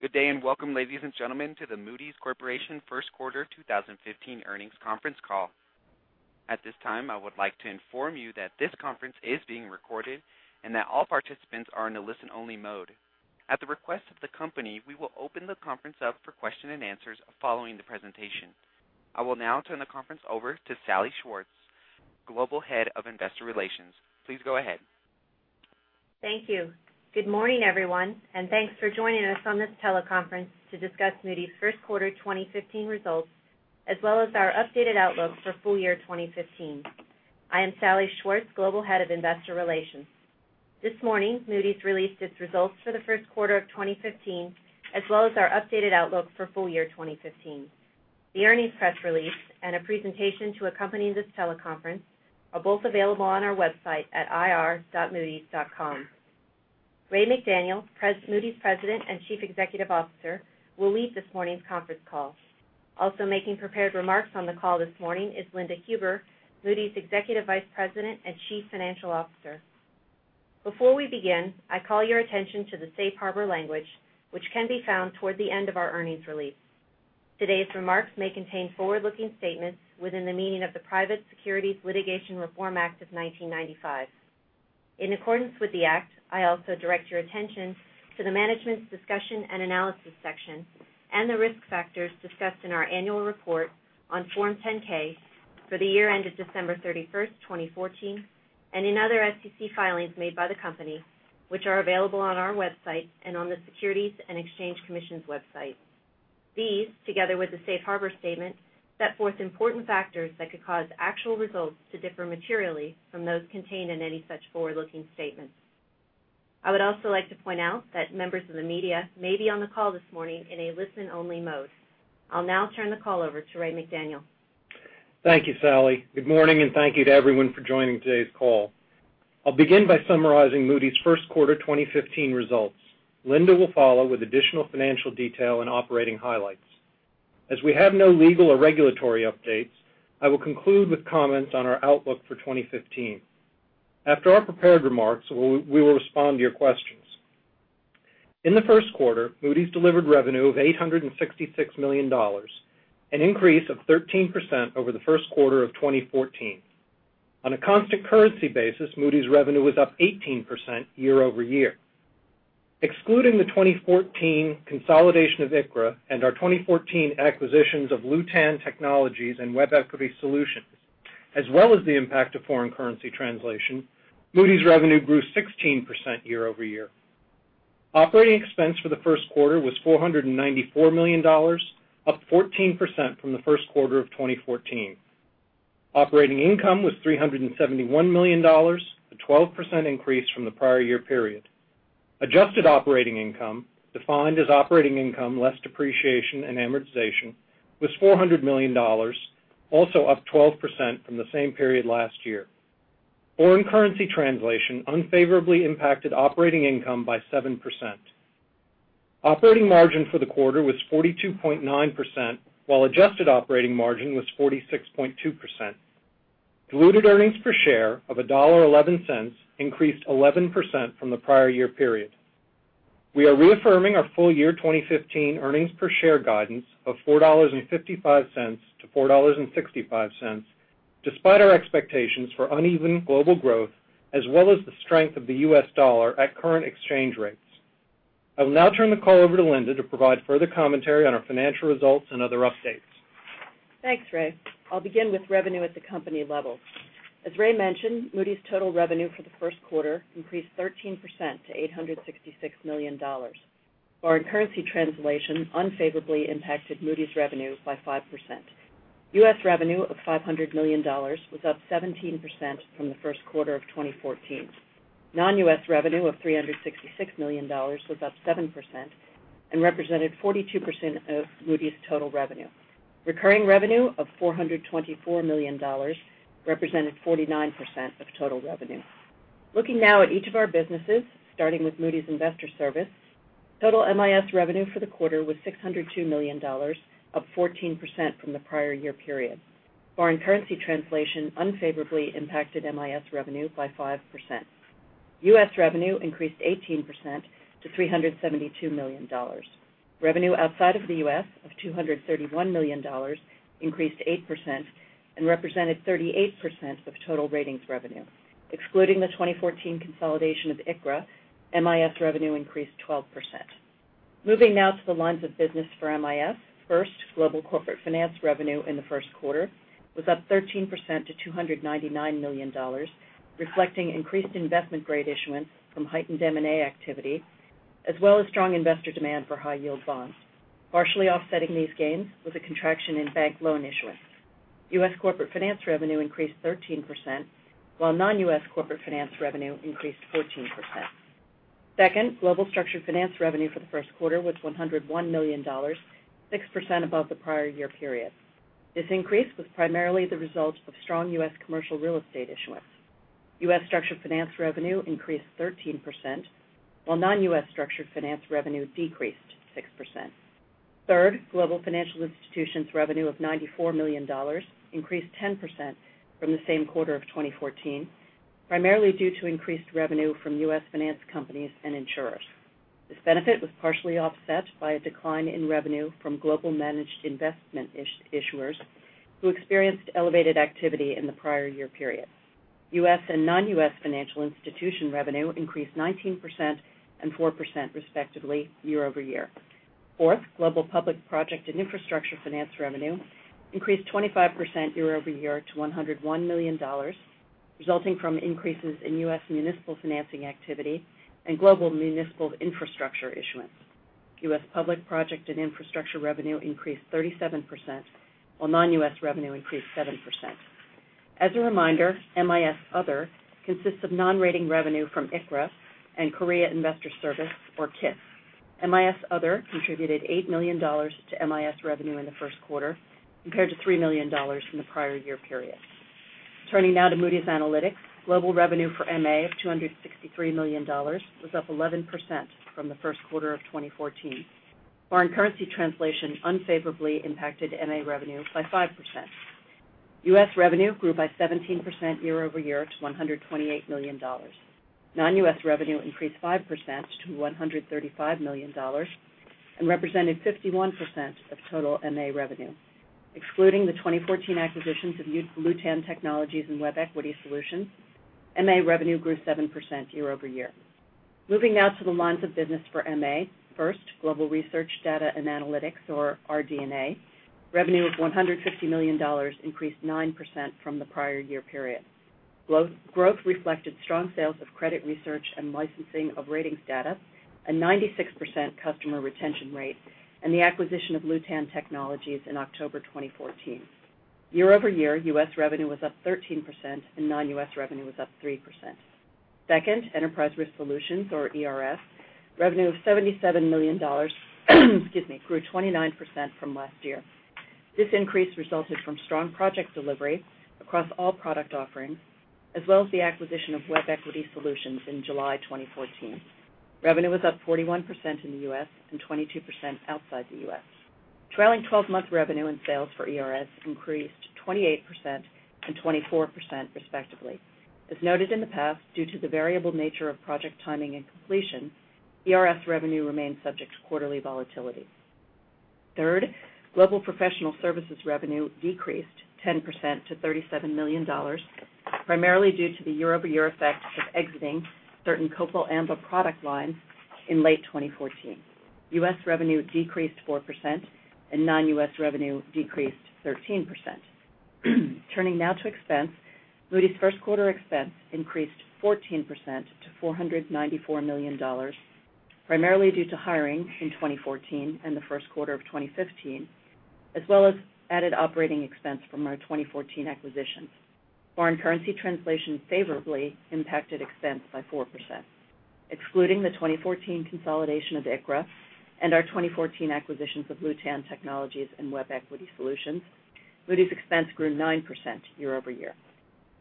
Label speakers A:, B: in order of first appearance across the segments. A: Good day, and welcome, ladies and gentlemen, to the Moody's Corporation first quarter 2015 earnings conference call. At this time, I would like to inform you that this conference is being recorded, and that all participants are in a listen-only mode. At the request of the company, we will open the conference up for question and answers following the presentation. I will now turn the conference over to Salli Schwartz, Global Head of Investor Relations. Please go ahead.
B: Thank you. Good morning, everyone, and thanks for joining us on this teleconference to discuss Moody's first quarter 2015 results, as well as our updated outlook for full year 2015. I am Salli Schwartz, Global Head of Investor Relations. This morning, Moody's released its results for the first quarter of 2015, as well as our updated outlook for full year 2015. The earnings press release and a presentation to accompany this teleconference are both available on our website at ir.moodys.com. Raymond McDaniel, Moody's President and Chief Executive Officer will lead this morning's conference call. Also making prepared remarks on the call this morning is Linda Huber, Moody's Executive Vice President and Chief Financial Officer. Before we begin, I call your attention to the safe harbor language, which can be found toward the end of our earnings release. Today's remarks may contain forward-looking statements within the meaning of the Private Securities Litigation Reform Act of 1995. In accordance with the act, I also direct your attention to the management's discussion and analysis section and the risk factors discussed in our annual report on Form 10-K for the year ended December 31st, 2014, and in other SEC filings made by the company, which are available on our website and on the Securities and Exchange Commission's website. These, together with the safe harbor statement, set forth important factors that could cause actual results to differ materially from those contained in any such forward-looking statements. I would also like to point out that members of the media may be on the call this morning in a listen-only mode. I'll now turn the call over to Raymond McDaniel.
C: Thank you, Salli. Good morning, and thank you to everyone for joining today's call. I'll begin by summarizing Moody's first quarter 2015 results. Linda will follow with additional financial detail and operating highlights. As we have no legal or regulatory updates, I will conclude with comments on our outlook for 2015. After our prepared remarks, we will respond to your questions. In the first quarter, Moody's delivered revenue of $866 million, an increase of 13% over the first quarter of 2014. On a constant currency basis, Moody's revenue was up 18% year-over-year. Excluding the 2014 consolidation of ICRA and our 2014 acquisitions of Lewtan Technologies and WebEquity Solutions, as well as the impact of foreign currency translation, Moody's revenue grew 16% year-over-year. Operating expense for the first quarter was $494 million, up 14% from the first quarter of 2014. Operating income was $371 million, a 12% increase from the prior year period. Adjusted operating income, defined as operating income less depreciation and amortization, was $400 million, also up 12% from the same period last year. Foreign currency translation unfavorably impacted operating income by 7%. Operating margin for the quarter was 42.9%, while adjusted operating margin was 46.2%. Diluted earnings per share of $1.11 increased 11% from the prior year period. We are reaffirming our full year 2015 earnings per share guidance of $4.55 to $4.65, despite our expectations for uneven global growth as well as the strength of the U.S. dollar at current exchange rates. I will now turn the call over to Linda to provide further commentary on our financial results and other updates.
B: Thanks, Ray. I'll begin with revenue at the company level. As Ray mentioned, Moody's total revenue for the first quarter increased 13% to $866 million. Foreign currency translation unfavorably impacted Moody's revenue by 5%. U.S. revenue of $500 million was up 17% from the first quarter of 2014. Non-U.S. revenue of $366 million was up 7% and represented 42% of Moody's total revenue. Recurring revenue of $424 million represented 49% of total revenue. Looking now at each of our businesses, starting with Moody's Investors Service, total MIS revenue for the quarter was $602 million, up 14% from the prior year period. Foreign currency translation unfavorably impacted MIS revenue by 5%. U.S. revenue increased 18% to $372 million. Revenue outside of the U.S. of $231 million increased 8% and represented 38% of total ratings revenue. Excluding the 2014 consolidation of ICRA, MIS revenue increased 12%. Moving now to the lines of business for MIS. First, global corporate finance revenue in the first quarter was up 13% to $299 million, reflecting increased investment-grade issuance from heightened M&A activity as well as strong investor demand for high-yield bonds. Partially offsetting these gains was a contraction in bank loan issuance. U.S. corporate finance revenue increased 13%, while non-U.S. corporate finance revenue increased 14%. Second, global structured finance revenue for the first quarter was $101 million, 6% above the prior year period. This increase was primarily the result of strong U.S. commercial real estate issuance. U.S. structured finance revenue increased 13%, while non-U.S. structured finance revenue decreased 6%.
D: Third, global financial institutions revenue of $94 million increased 10% from the same quarter of 2014, primarily due to increased revenue from U.S. finance companies and insurers. This benefit was partially offset by a decline in revenue from global managed investment issuers who experienced elevated activity in the prior year period. U.S. and non-U.S. financial institution revenue increased 19% and 4%, respectively, year-over-year. Fourth, global public project and infrastructure finance revenue increased 25% year-over-year to $101 million, resulting from increases in U.S. municipal financing activity and global municipal infrastructure issuance. U.S. public project and infrastructure revenue increased 37%, while non-U.S. revenue increased 7%. As a reminder, MIS Other consists of non-rating revenue from ICRA and Korea Investors Service or KIS. MIS Other contributed $8 million to MIS revenue in the first quarter compared to $3 million from the prior year period. Turning now to Moody's Analytics. Global revenue for Moody's Analytics of $263 million was up 11% from the first quarter of 2014. Foreign currency translation unfavorably impacted Moody's Analytics revenue by 5%. U.S. revenue grew by 17% year-over-year to $128 million. Non-U.S. revenue increased 5% to $135 million and represented 51% of total Moody's Analytics revenue. Excluding the 2014 acquisitions of Lewtan Technologies and WebEquity Solutions, Moody's Analytics revenue grew 7% year-over-year. Moving now to the lines of business for Moody's Analytics. First, global research, data, and analytics or RDNA revenue of $150 million increased 9% from the prior year period. Growth reflected strong sales of credit research and licensing of ratings data, a 96% customer retention rate, and the acquisition of Lewtan Technologies in October 2014. Year-over-year, U.S. revenue was up 13% and non-U.S. revenue was up 3%. Second, Enterprise Risk Solutions, or ERS, revenue of $77 million grew 29% from last year. This increase resulted from strong project delivery across all product offerings as well as the acquisition of WebEquity Solutions in July 2014. Revenue was up 41% in the U.S. and 22% outside the U.S. Trailing 12-month revenue and sales for ERS increased 28% and 24%, respectively. As noted in the past, due to the variable nature of project timing and completion, ERS revenue remains subject to quarterly volatility. Third, global professional services revenue decreased 10% to $37 million, primarily due to the year-over-year effect of exiting certain Copal Amba product lines in late 2014. U.S. revenue decreased 4%, and non-U.S. revenue decreased 13%. Turning now to expense. Moody's first quarter expense increased 14% to $494 million, primarily due to hiring in 2014 and the first quarter of 2015, as well as added operating expense from our 2014 acquisitions. Foreign currency translation favorably impacted expense by 4%. Excluding the 2014 consolidation of ICRA and our 2014 acquisitions of Lewtan Technologies and WebEquity Solutions, Moody's expense grew 9% year-over-year.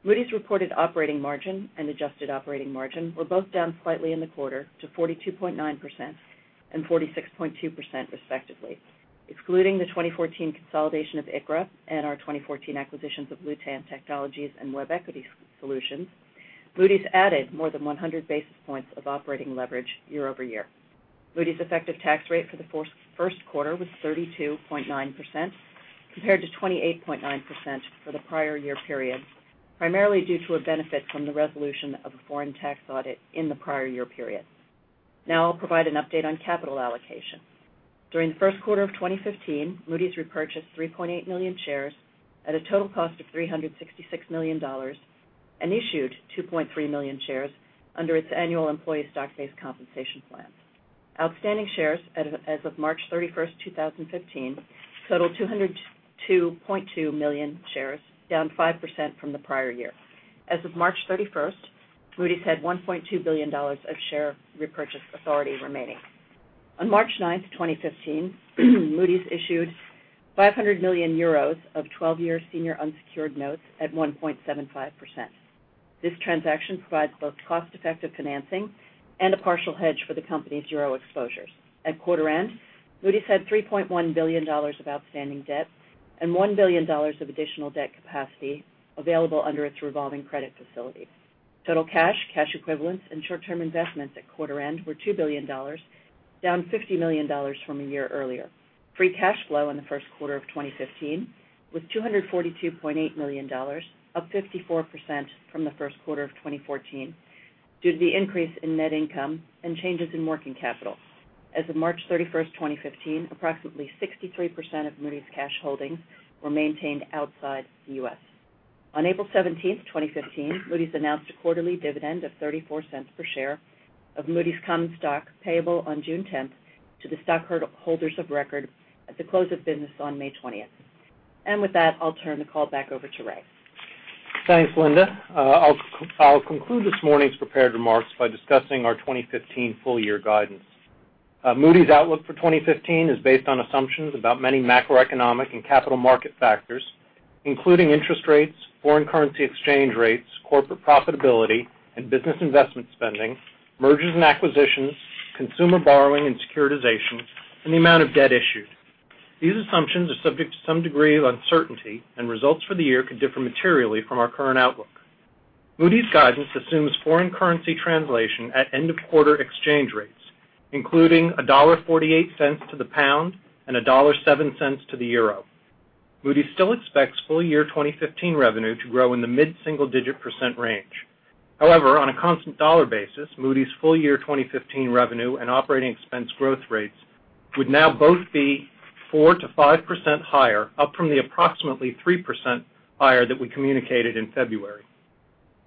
D: Moody's reported operating margin and adjusted operating margin were both down slightly in the quarter to 42.9% and 46.2%, respectively. Excluding the 2014 consolidation of ICRA and our 2014 acquisitions of Lewtan Technologies and WebEquity Solutions, Moody's added more than 100 basis points of operating leverage year-over-year. Moody's effective tax rate for the first quarter was 32.9%, compared to 28.9% for the prior year period, primarily due to a benefit from the resolution of a foreign tax audit in the prior year period. Now I'll provide an update on capital allocation. During the first quarter of 2015, Moody's repurchased 3.8 million shares at a total cost of $366 million and issued 2.3 million shares under its annual employee stock-based compensation plan. Outstanding shares as of March 31st, 2015, totaled 202.2 million shares, down 5% from the prior year. As of March 31st, Moody's had $1.2 billion of share repurchase authority remaining. On March 9th, 2015, Moody's issued €500 million of 12-year senior unsecured notes at 1.75%. This transaction provides both cost-effective financing and a partial hedge for the company's euro exposures. At quarter end, Moody's had $3.1 billion of outstanding debt and $1 billion of additional debt capacity available under its revolving credit facility. Total cash equivalents, and short-term investments at quarter end were $2 billion, down $50 million from a year earlier. Free cash flow in the first quarter of 2015 was $242.8 million, up 54% from the first quarter of 2014 due to the increase in net income and changes in working capital. As of March 31st, 2015, approximately 63% of Moody's cash holdings were maintained outside the U.S. On April 17th, 2015, Moody's announced a quarterly dividend of $0.34 per share of Moody's common stock payable on June 10th to the stockholders of record at the close of business on May 20th. With that, I'll turn the call back over to Ray.
C: Thanks, Linda. I'll conclude this morning's prepared remarks by discussing our 2015 full year guidance. Moody's outlook for 2015 is based on assumptions about many macroeconomic and capital market factors including interest rates, foreign currency exchange rates, corporate profitability, and business investment spending, mergers and acquisitions, consumer borrowing and securitization, and the amount of debt issued. These assumptions are subject to some degree of uncertainty, and results for the year could differ materially from our current outlook. Moody's guidance assumes foreign currency translation at end-of-quarter exchange rates, including $1.48 to the GBP and $1.07 to the EUR. Moody's still expects full-year 2015 revenue to grow in the mid-single-digit % range. However, on a constant dollar basis, Moody's full-year 2015 revenue and operating expense growth rates would now both be 4%-5% higher, up from the approximately 3% higher that we communicated in February.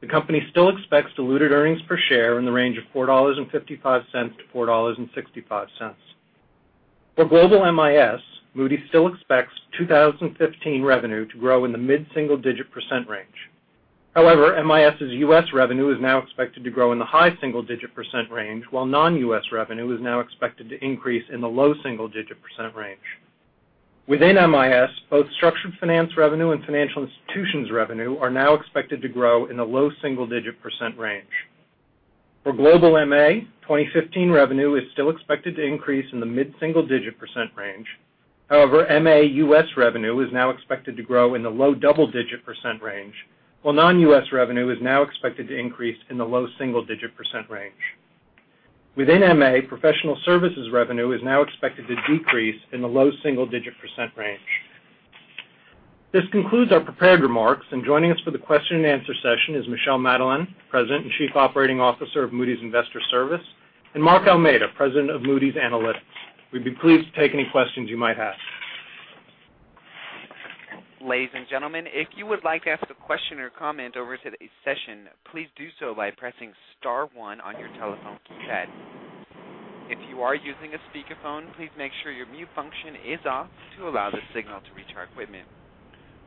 C: The company still expects diluted earnings per share in the range of $4.55-$4.65. For Global MIS, Moody's still expects 2015 revenue to grow in the mid-single-digit % range. However, MIS's U.S. revenue is now expected to grow in the high single-digit % range, while non-U.S. revenue is now expected to increase in the low single-digit % range. Within MIS, both structured finance revenue and financial institutions revenue are now expected to grow in the low single-digit % range. For Global MA, 2015 revenue is still expected to increase in the mid-single-digit % range. However, MA U.S. revenue is now expected to grow in the low double-digit % range, while non-U.S. revenue is now expected to increase in the low single-digit % range. Within MA, professional services revenue is now expected to decrease in the low single-digit % range. This concludes our prepared remarks. Joining us for the question and answer session is Michel Madelain, President and Chief Operating Officer of Moody's Investors Service, and Mark Almeida, President of Moody's Analytics. We'd be pleased to take any questions you might have.
A: Ladies and gentlemen, if you would like to ask a question or comment over today's session, please do so by pressing star one on your telephone keypad. If you are using a speakerphone, please make sure your mute function is off to allow the signal to reach our equipment.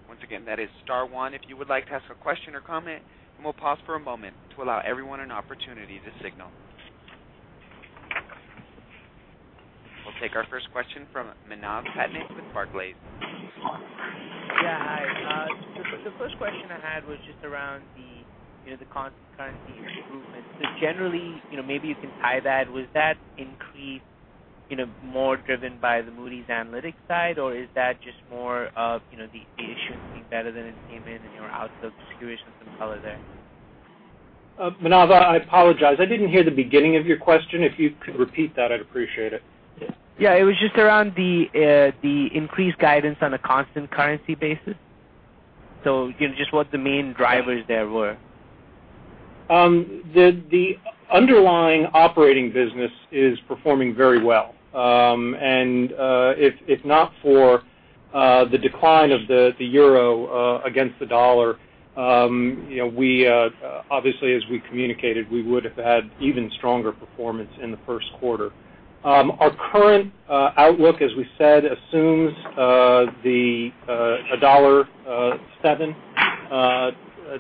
A: Once again, that is star one if you would like to ask a question or comment, we'll pause for a moment to allow everyone an opportunity to signal. We'll take our first question from Manav Patnaik with Barclays.
E: Yeah, hi. The first question I had was just around the constant currency improvements. Generally, maybe you can tie that, was that increase more driven by the Moody's Analytics side, or is that just more of it should be better than it came in your outlook situation some color there?
C: Manav, I apologize. I didn't hear the beginning of your question. If you could repeat that, I'd appreciate it.
E: Yeah. It was just around the increased guidance on a constant currency basis. Just what the main drivers there were.
C: The underlying operating business is performing very well. If not for the decline of the euro against the dollar, obviously as we communicated, we would have had even stronger performance in the first quarter. Our current outlook, as we said, assumes $1.07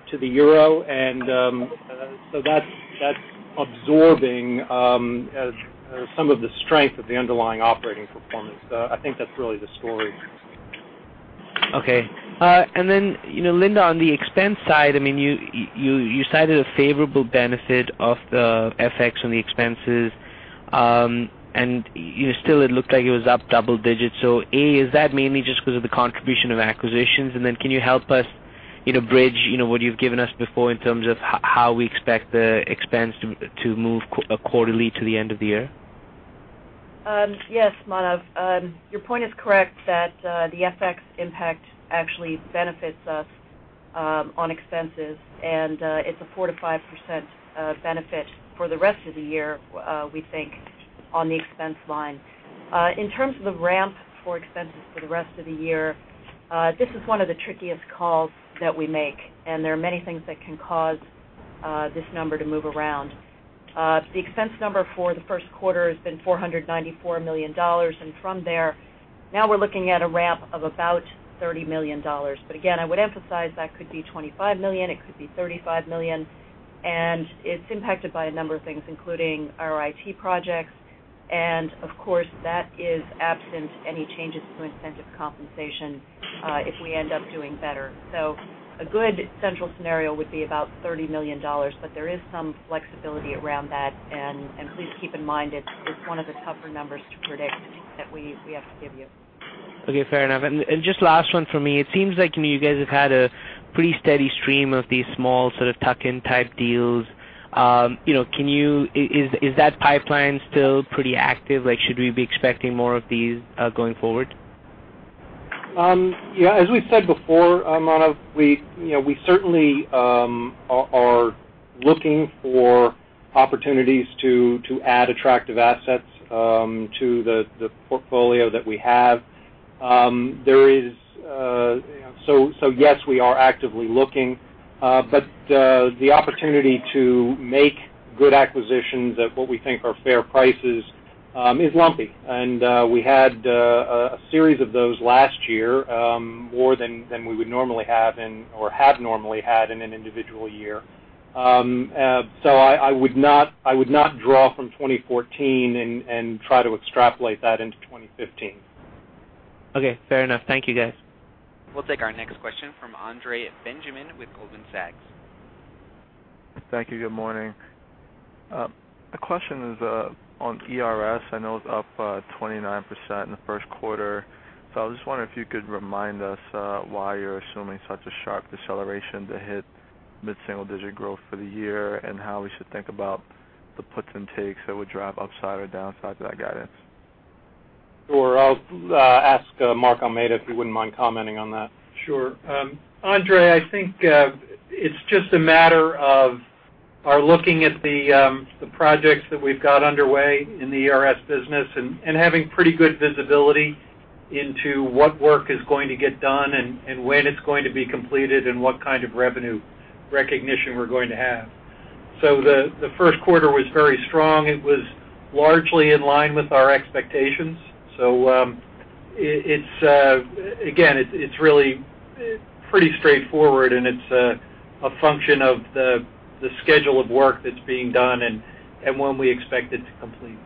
C: to the euro, that's absorbing some of the strength of the underlying operating performance. I think that's really the story.
E: Okay. Then, Linda, on the expense side, you cited a favorable benefit of the FX on the expenses. Still it looked like it was up double digits. A, is that mainly just because of the contribution of acquisitions? Then can you help us bridge what you've given us before in terms of how we expect the expense to move quarterly to the end of the year?
D: Yes, Manav. Your point is correct that the FX impact actually benefits us on expenses, it's a 4%-5% benefit for the rest of the year, we think, on the expense line. In terms of the ramp for expenses for the rest of the year, this is one of the trickiest calls that we make, there are many things that can cause this number to move around. The expense number for the first quarter has been $494 million, from there, now we're looking at a ramp of about $30 million. Again, I would emphasize that could be $25 million, it could be $35 million, it's impacted by a number of things, including our IT projects. Of course, that is absent any changes to incentive compensation if we end up doing better. A good central scenario would be about $30 million, there is some flexibility around that, please keep in mind it's one of the tougher numbers to predict that we have to give you.
E: Okay. Fair enough. Just last one from me. It seems like you guys have had a pretty steady stream of these small tuck-in type deals. Is that pipeline still pretty active? Should we be expecting more of these going forward?
C: Yeah. As we've said before, Manav, we certainly are looking for opportunities to add attractive assets to the portfolio that we have. Yes, we are actively looking. The opportunity to make good acquisitions at what we think are fair prices is lumpy. We had a series of those last year, more than we would normally have or have normally had in an individual year. I would not draw from 2014 and try to extrapolate that into 2015.
E: Okay. Fair enough. Thank you, guys.
A: We'll take our next question from Andre Benjamin with Goldman Sachs.
F: Thank you. Good morning. The question is on ERS. I know it's up 29% in the first quarter. I was just wondering if you could remind us why you're assuming such a sharp deceleration to hit mid-single digit growth for the year, and how we should think about the puts and takes that would drive upside or downside to that guidance.
C: Sure. I'll ask Mark Almeida if he wouldn't mind commenting on that.
G: Sure. Andre, I think it's just a matter of our looking at the projects that we've got underway in the ERS business, and having pretty good visibility into what work is going to get done, and when it's going to be completed, and what kind of revenue recognition we're going to have. The first quarter was very strong. It was largely in line with our expectations. Again, it's really pretty straightforward, and it's a function of the schedule of work that's being done and when we expect it to complete.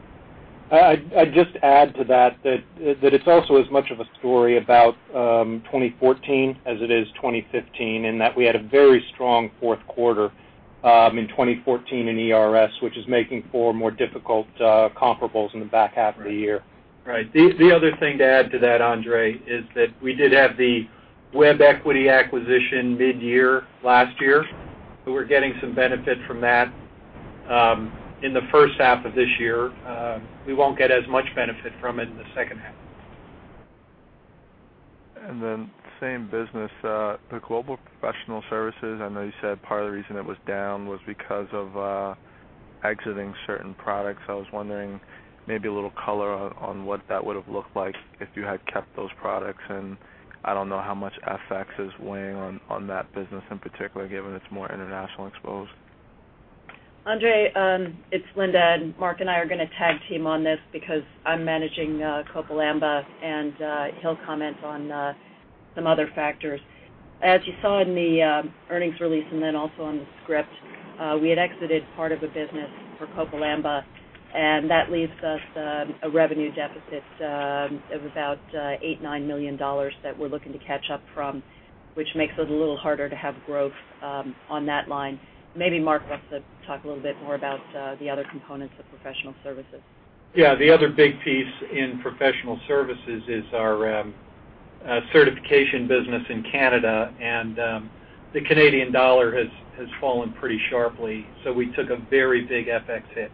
C: I'd just add to that it's also as much of a story about 2014 as it is 2015, in that we had a very strong fourth quarter in 2014 in ERS, which is making for more difficult comparables in the back half of the year.
G: Right. The other thing to add to that, Andre, is that we did have the WebEquity acquisition mid-year last year. We're getting some benefit from that in the first half of this year. We won't get as much benefit from it in the second half.
F: Same business. The Global Professional Services, I know you said part of the reason it was down was because of exiting certain products. I was wondering maybe a little color on what that would've looked like if you had kept those products. I don't know how much FX is weighing on that business in particular, given it's more international exposed.
D: Andre, it's Linda. Mark and I are going to tag team on this because I'm managing Copal Amba, he'll comment on some other factors. As you saw in the earnings release, also on the script, we had exited part of a business for Copal Amba. That leaves us a revenue deficit of about $8 million-$9 million that we're looking to catch up from, which makes it a little harder to have growth on that line. Mark wants to talk a little bit more about the other components of professional services.
G: Yeah. The other big piece in professional services is our certification business in Canada. The Canadian dollar has fallen pretty sharply. We took a very big FX hit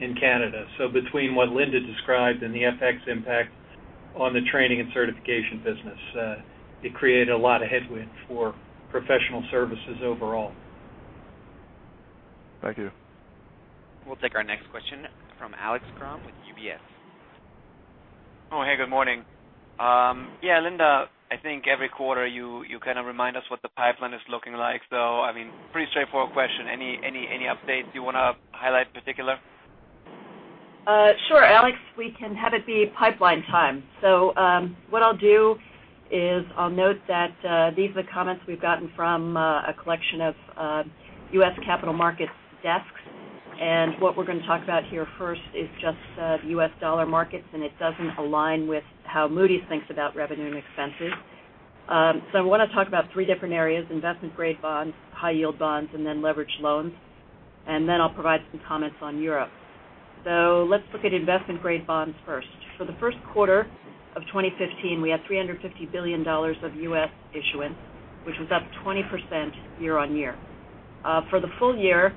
G: in Canada. Between what Linda described and the FX impact on the training and certification business, it created a lot of headwind for professional services overall.
F: Thank you.
A: We'll take our next question from Alex Kramm with UBS.
H: Hey, good morning. Yeah, Linda, I think every quarter you kind of remind us what the pipeline is looking like. Pretty straightforward question. Any updates you want to highlight in particular?
D: Sure, Alex. We can have it be pipeline time. What I'll do is I'll note that these are the comments we've gotten from a collection of U.S. capital markets desks. It doesn't align with how Moody's thinks about revenue and expenses. I want to talk about three different areas, investment grade bonds, high yield bonds, and then leveraged loans. Then I'll provide some comments on Europe. Let's look at investment grade bonds first. For the first quarter of 2015, we had $350 billion of U.S. issuance, which was up 20% year-over-year. For the full year,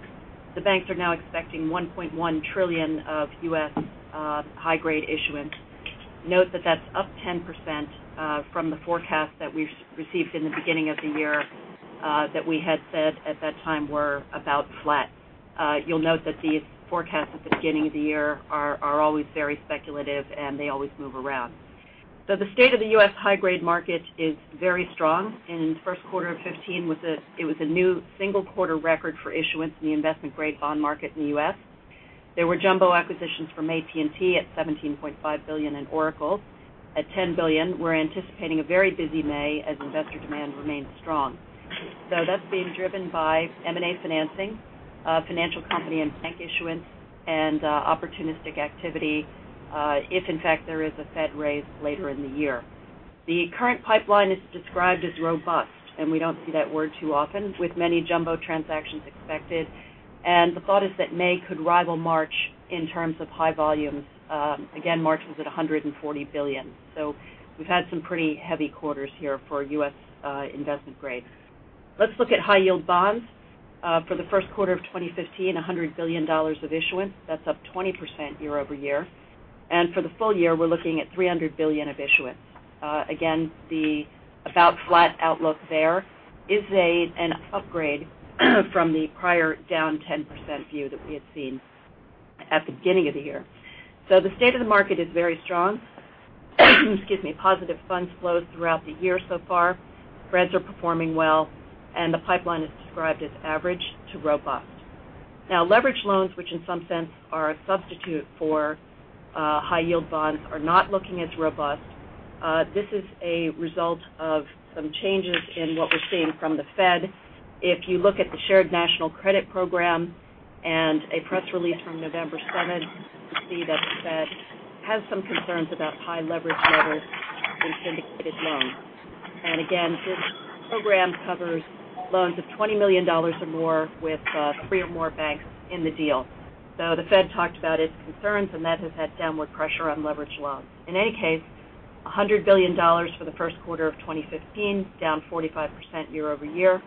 D: the banks are now expecting $1.1 trillion of U.S. high-grade issuance. Note that that's up 10% from the forecast that we received in the beginning of the year that we had said at that time were about flat. You'll note that these forecasts at the beginning of the year are always very speculative, and they always move around. The state of the U.S. high-grade market is very strong. First quarter of 2015, it was a new single quarter record for issuance in the investment grade bond market in the U.S. There were jumbo acquisitions from AT&T at $17.5 billion, and Oracle at $10 billion. We're anticipating a very busy May as investor demand remains strong. That's being driven by M&A financing, financial company and bank issuance, and opportunistic activity if, in fact, there is a Fed raise later in the year. The current pipeline is described as robust, and we don't see that word too often, with many jumbo transactions expected. The thought is that May could rival March in terms of high volumes. Again, March was at $140 billion. We've had some pretty heavy quarters here for U.S. investment grade. Let's look at high yield bonds. For the first quarter of 2015, $100 billion of issuance. That's up 20% year-over-year. For the full year, we're looking at $300 billion of issuance. Again, the about flat outlook there is an upgrade from the prior down 10% view that we had seen at the beginning of the year. The state of the market is very strong. Positive funds flows throughout the year so far. Spreads are performing well, and the pipeline is described as average to robust. Leveraged loans, which in some sense are a substitute for high yield bonds, are not looking as robust. This is a result of some changes in what we're seeing from the Fed. If you look at the Shared National Credit Program and a press release from November 7th, you see that the Fed has some concerns about high leverage levels in syndicated loans. Again, this program covers loans of $20 million or more with three or more banks in the deal. The Fed talked about its concerns, and that has had downward pressure on leveraged loans. In any case, $100 billion for the first quarter of 2015, down 45% year-over-year,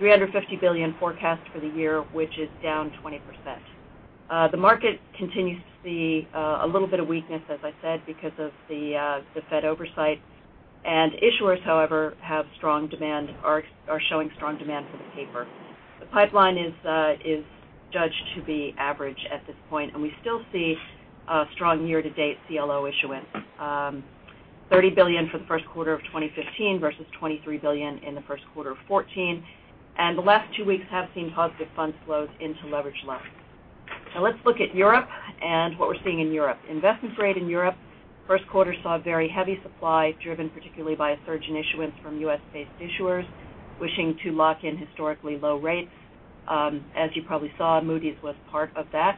D: $350 billion forecast for the year, which is down 20%. The market continues to see a little bit of weakness, as I said, because of the Fed oversight. Issuers, however, have strong demand, are showing strong demand for the paper. The pipeline is judged to be average at this point, and we still see strong year-to-date CLO issuance. $30 billion for the first quarter of 2015 versus $23 billion in the first quarter of 2014, and the last two weeks have seen positive fund flows into leveraged loans. Let's look at Europe and what we're seeing in Europe. Investment grade in Europe, first quarter saw very heavy supply, driven particularly by a surge in issuance from U.S.-based issuers wishing to lock in historically low rates. As you probably saw, Moody's was part of that.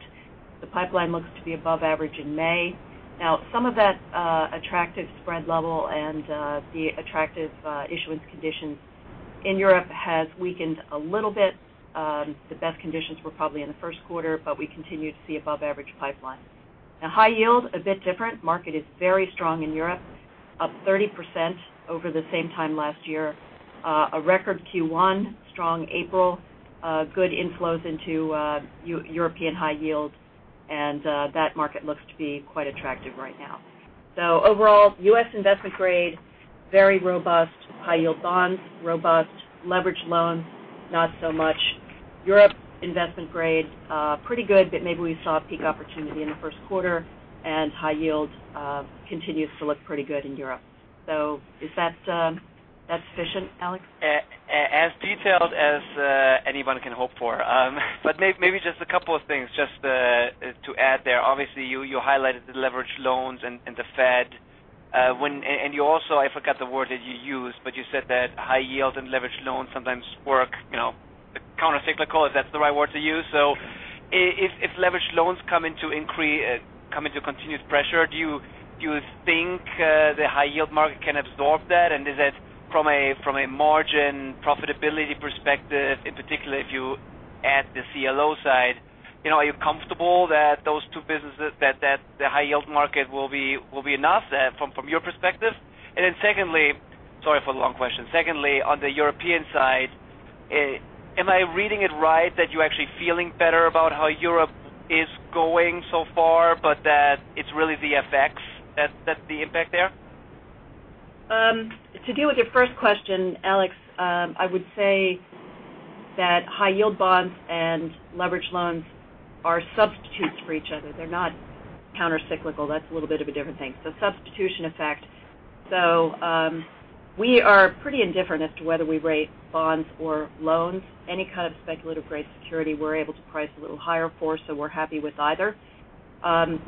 D: The pipeline looks to be above average in May. Some of that attractive spread level and the attractive issuance conditions in Europe has weakened a little bit. The best conditions were probably in the first quarter, but we continue to see above-average pipeline. Now high yield, a bit different. Market is very strong in Europe, up 30% over the same time last year. A record Q1, strong April, good inflows into European high yield, and that market looks to be quite attractive right now. Overall, U.S. investment grade, very robust. High-yield bonds, robust. Leveraged loans, not so much. Europe investment grade, pretty good, but maybe we saw a peak opportunity in the first quarter, and high yield continues to look pretty good in Europe. Is that sufficient, Alex?
H: As detailed as anyone can hope for. Maybe just a couple of things just to add there. Obviously, you highlighted the leveraged loans and the Fed. You also, I forgot the word that you used, but you said that high yield and leveraged loans sometimes work countercyclical, if that's the right word to use. If leveraged loans come into continued pressure, do you think the high-yield market can absorb that? Is that from a margin profitability perspective, in particular, if you add the CLO side, are you comfortable that those two businesses, that the high-yield market will be enough from your perspective? Sorry for the long question. On the European side, am I reading it right that you're actually feeling better about how Europe is going so far, but that it's really the FX that's the impact there?
D: To deal with your first question, Alex, I would say that high-yield bonds and leveraged loans are substitutes for each other. They're not countercyclical. That's a little bit of a different thing. Substitution effect. We are pretty indifferent as to whether we rate bonds or loans. Any kind of speculative-grade security we're able to price a little higher for, so we're happy with either.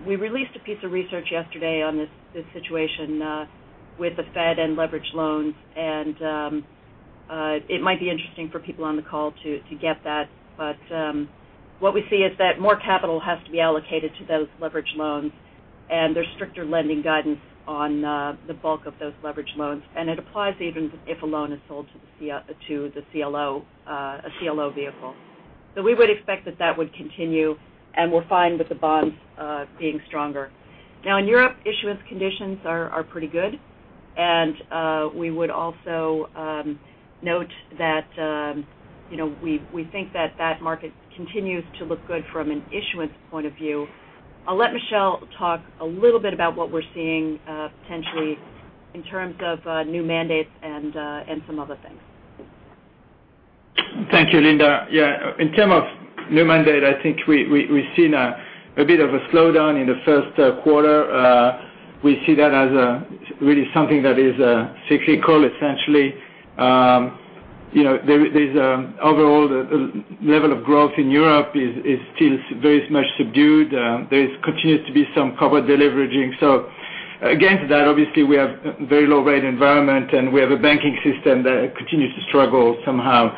D: We released a piece of research yesterday on this situation with the Fed and leveraged loans, and it might be interesting for people on the call to get that. What we see is that more capital has to be allocated to those leveraged loans, and there's stricter lending guidance on the bulk of those leveraged loans, and it applies even if a loan is sold to a CLO vehicle. We would expect that that would continue, and we're fine with the bonds being stronger. Now in Europe, issuance conditions are pretty good. We would also note that we think that that market continues to look good from an issuance point of view. I'll let Michel Madelain talk a little bit about what we're seeing potentially in terms of new mandates and some other things.
I: Thank you, Linda. Yeah, in term of new mandate, I think we've seen a bit of a slowdown in the first quarter. We see that as really something that is cyclical, essentially. Overall, the level of growth in Europe is still very much subdued. There continues to be some corporate deleveraging. Against that, obviously, we have very low rate environment, and we have a banking system that continues to struggle somehow.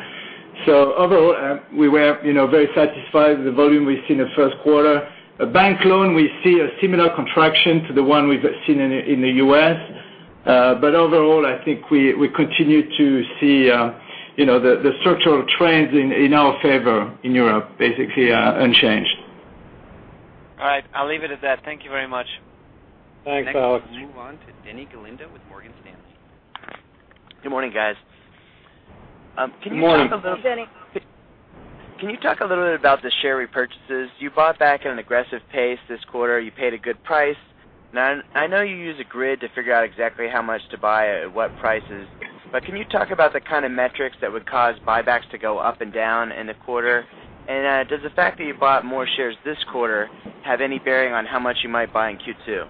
I: Overall, we were very satisfied with the volume we've seen in the first quarter. A bank loan, we see a similar contraction to the one we've seen in the U.S. Overall, I think we continue to see the structural trends in our favor in Europe, basically unchanged.
H: All right. I'll leave it at that. Thank you very much.
C: Thanks, Alex.
D: Next, we'll move on to Denny Galindo with Morgan Stanley.
J: Good morning, guys.
C: Good morning.
D: Hey, Denny.
J: Can you talk a little bit about the share repurchases? You bought back at an aggressive pace this quarter. You paid a good price. I know you use a grid to figure out exactly how much to buy at what prices, but can you talk about the kind of metrics that would cause buybacks to go up and down in the quarter? Does the fact that you bought more shares this quarter have any bearing on how much you might buy in Q2?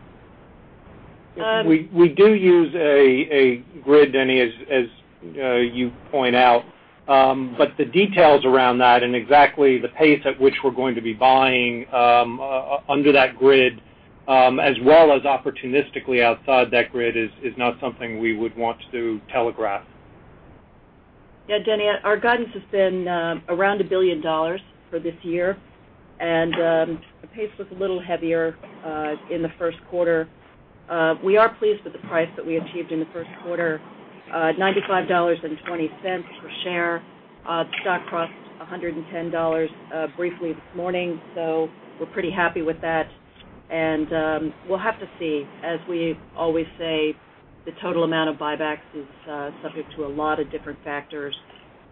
C: We do use a grid, Denny, as you point out. The details around that and exactly the pace at which we're going to be buying under that grid as well as opportunistically outside that grid is not something we would want to telegraph.
D: Yeah, Denny, our guidance has been around $1 billion for this year, the pace was a little heavier in the first quarter. We are pleased with the price that we achieved in the first quarter, $95.20 per share. The stock crossed $110 briefly this morning, we're pretty happy with that. We'll have to see, as we always say, the total amount of buybacks is subject to a lot of different factors.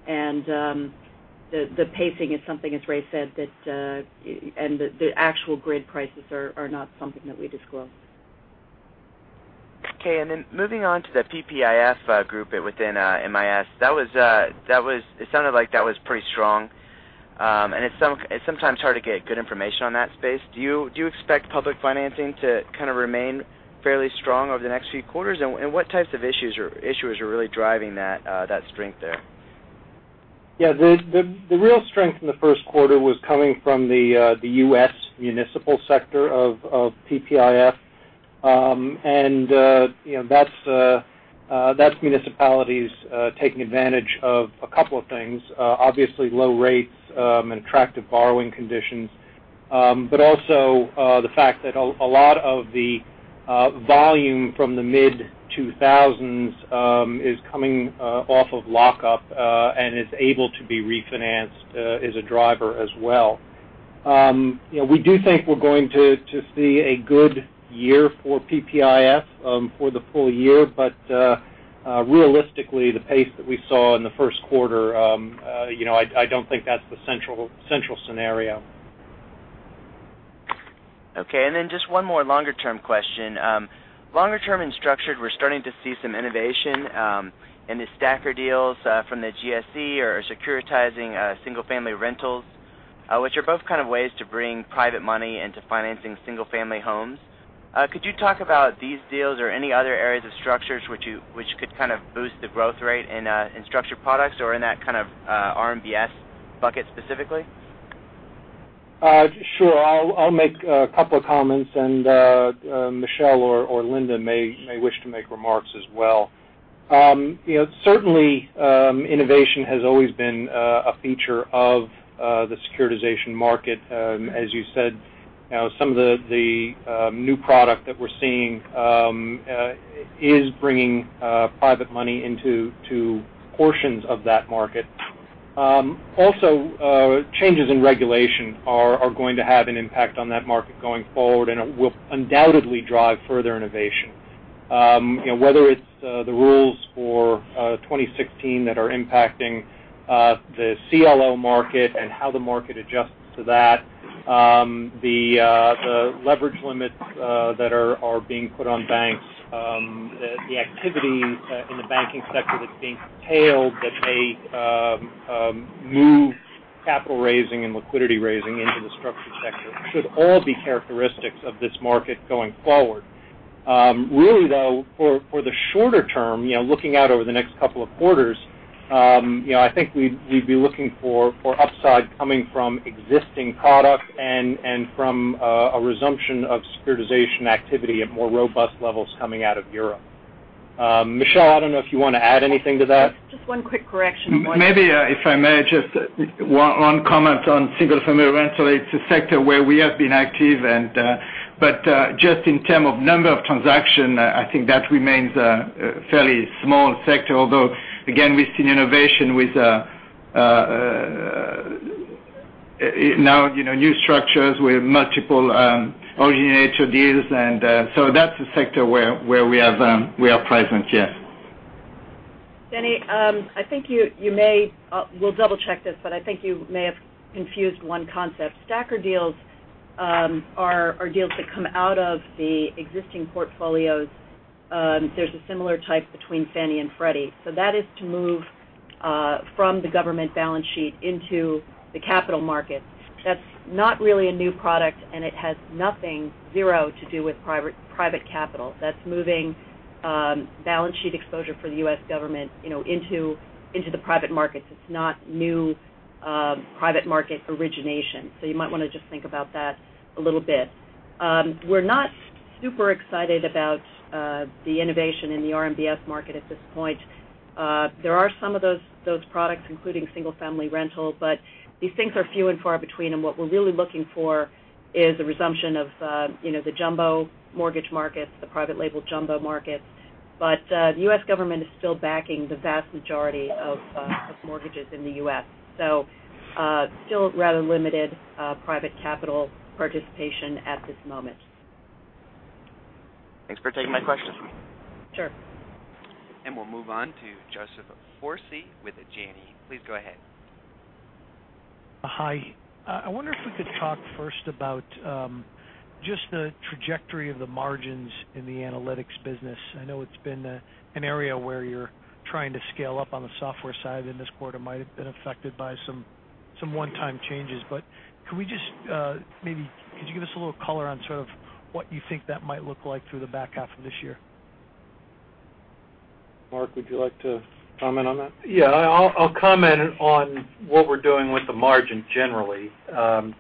D: The pacing is something, as Ray said, the actual grid prices are not something that we disclose.
J: Okay, moving on to the PPIF group within MIS. It sounded like that was pretty strong. It's sometimes hard to get good information on that space. Do you expect public financing to remain fairly strong over the next few quarters? What types of issues are really driving that strength there?
C: Yeah. The real strength in the first quarter was coming from the U.S. municipal sector of PPIF. That's municipalities taking advantage of a couple of things. Obviously low rates and attractive borrowing conditions. Also the fact that a lot of the volume from the mid-2000s is coming off of lockup and is able to be refinanced is a driver as well. We do think we're going to see a good year for PPIF for the full year. Realistically, the pace that we saw in the first quarter, I don't think that's the central scenario.
J: Okay, just one more longer-term question. Longer term structured, we're starting to see some innovation in the STACR deals from the GSE or securitizing single-family rentals, which are both kind of ways to bring private money into financing single-family homes. Could you talk about these deals or any other areas of structures which could kind of boost the growth rate in structured products or in that kind of RMBS bucket specifically?
C: Sure. I'll make a couple of comments, Michel or Linda may wish to make remarks as well. Certainly, innovation has always been a feature of the securitization market. As you said, some of the new product that we're seeing is bringing private money into portions of that market. Also, changes in regulation are going to have an impact on that market going forward, it will undoubtedly drive further innovation. Whether it's the rules for 2016 that are impacting the CLO market and how the market adjusts to that, the leverage limits that are being put on banks, the activity in the banking sector that's being curtailed that may move capital raising and liquidity raising into the structured sector should all be characteristics of this market going forward. Really, though, for the shorter term, looking out over the next couple of quarters, I think we'd be looking for upside coming from existing product and from a resumption of securitization activity at more robust levels coming out of Europe. Michel, I don't know if you want to add anything to that.
D: Just one quick correction.
I: Maybe if I may, just one comment on single-family rental. It's a sector where we have been active. Just in terms of number of transactions, I think that remains a fairly small sector. Although, again, we've seen innovation with new structures. We have multiple originator deals, and so that's a sector where we are present, yes.
D: Denny, we'll double-check this, but I think you may have confused one concept. STACR deals are deals that come out of the existing portfolios. There's a similar type between Fannie Mae and Freddie Mac. That is to move from the government balance sheet into the capital markets. That's not really a new product, and it has nothing, zero, to do with private capital. That's moving balance sheet exposure for the U.S. government into the private markets. It's not new private market origination. You might want to just think about that a little bit. We're not super excited about the innovation in the RMBS market at this point. There are some of those products, including single-family rental, but these things are few and far between. What we're really looking for is a resumption of the jumbo mortgage markets, the private label jumbo markets. But the U.S. government is still backing the vast majority of mortgages in the U.S. Still rather limited private capital participation at this moment.
J: Thanks for taking my question.
D: Sure.
A: We'll move on to Joseph Foresi with Janney. Please go ahead.
K: Hi. I wonder if we could talk first about just the trajectory of the margins in the analytics business. I know it's been an area where you're trying to scale up on the software side, and this quarter might have been affected by some one-time changes. Could you give us a little color on sort of what you think that might look like through the back half of this year?
C: Mark, would you like to comment on that?
G: Yeah. I'll comment on what we're doing with the margin generally.
C: As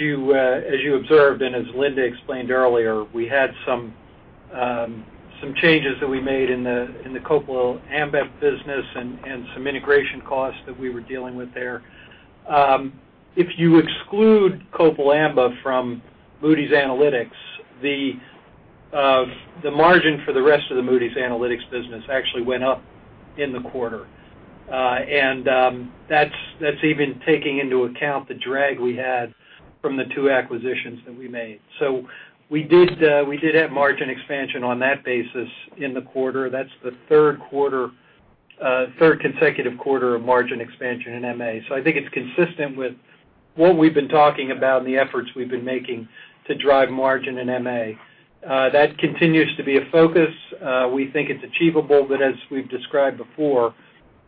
C: you observed, as Linda explained earlier, we had some changes that we made in the Copal Amba business and some integration costs that we were dealing with there. If you exclude Copal Amba from Moody's Analytics, the margin for the rest of the Moody's Analytics business actually went up in the quarter. That's even taking into account the drag we had from the two acquisitions that we made. We did have margin expansion on that basis in the quarter. That's the third consecutive quarter of margin expansion in MA. I think it's consistent with what we've been talking about and the efforts we've been making to drive margin in MA. That continues to be a focus. We think it's achievable, as we've described before,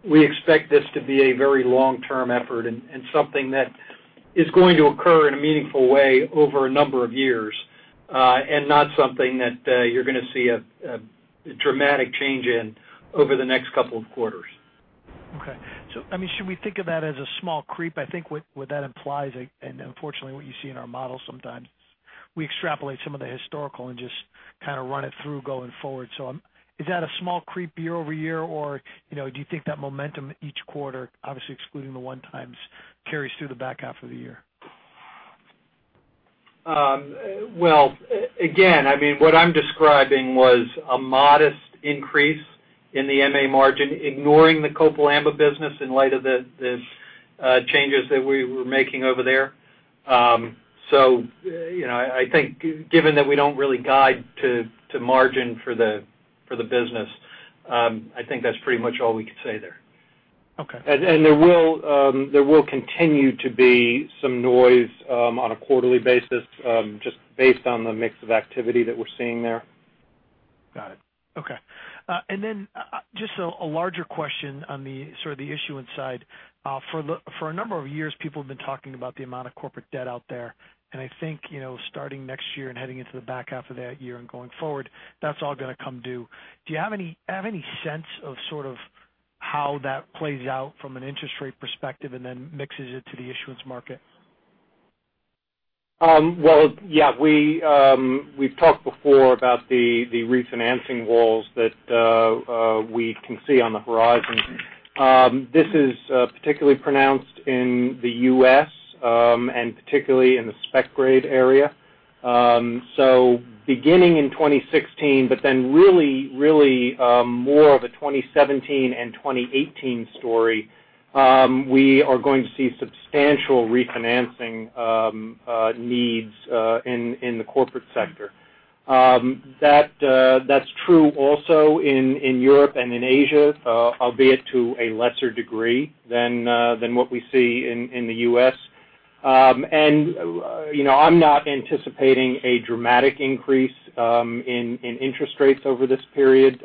C: we expect this to be a very long-term effort and something that is going to occur in a meaningful way over a number of years, and not something that you're going to see a dramatic change in over the next couple of quarters.
K: Okay. Should we think of that as a small creep? I think what that implies, unfortunately what you see in our models sometimes, we extrapolate some of the historical and just kind of run it through going forward. Is that a small creep year-over-year, or do you think that momentum each quarter, obviously excluding the one-times, carries through the back half of the year?
C: Well, again, what I'm describing was a modest increase in the MA margin, ignoring the Copal Amba business in light of the changes that we were making over there. I think given that we don't really guide to margin for the business, I think that's pretty much all we can say there.
K: Okay.
C: There will continue to be some noise on a quarterly basis just based on the mix of activity that we're seeing there.
K: Got it. Okay. Then just a larger question on the issuance side. For a number of years, people have been talking about the amount of corporate debt out there. I think starting next year and heading into the back half of that year and going forward, that's all going to come due. Do you have any sense of how that plays out from an interest rate perspective and then mixes it to the issuance market?
C: Yeah. We've talked before about the refinancing walls that we can see on the horizon. This is particularly pronounced in the U.S. and particularly in the spec-grade area. Beginning in 2016, really more of a 2017 and 2018 story, we are going to see substantial refinancing needs in the corporate sector. That's true also in Europe and in Asia, albeit to a lesser degree than what we see in the U.S. I'm not anticipating a dramatic increase in interest rates over this period,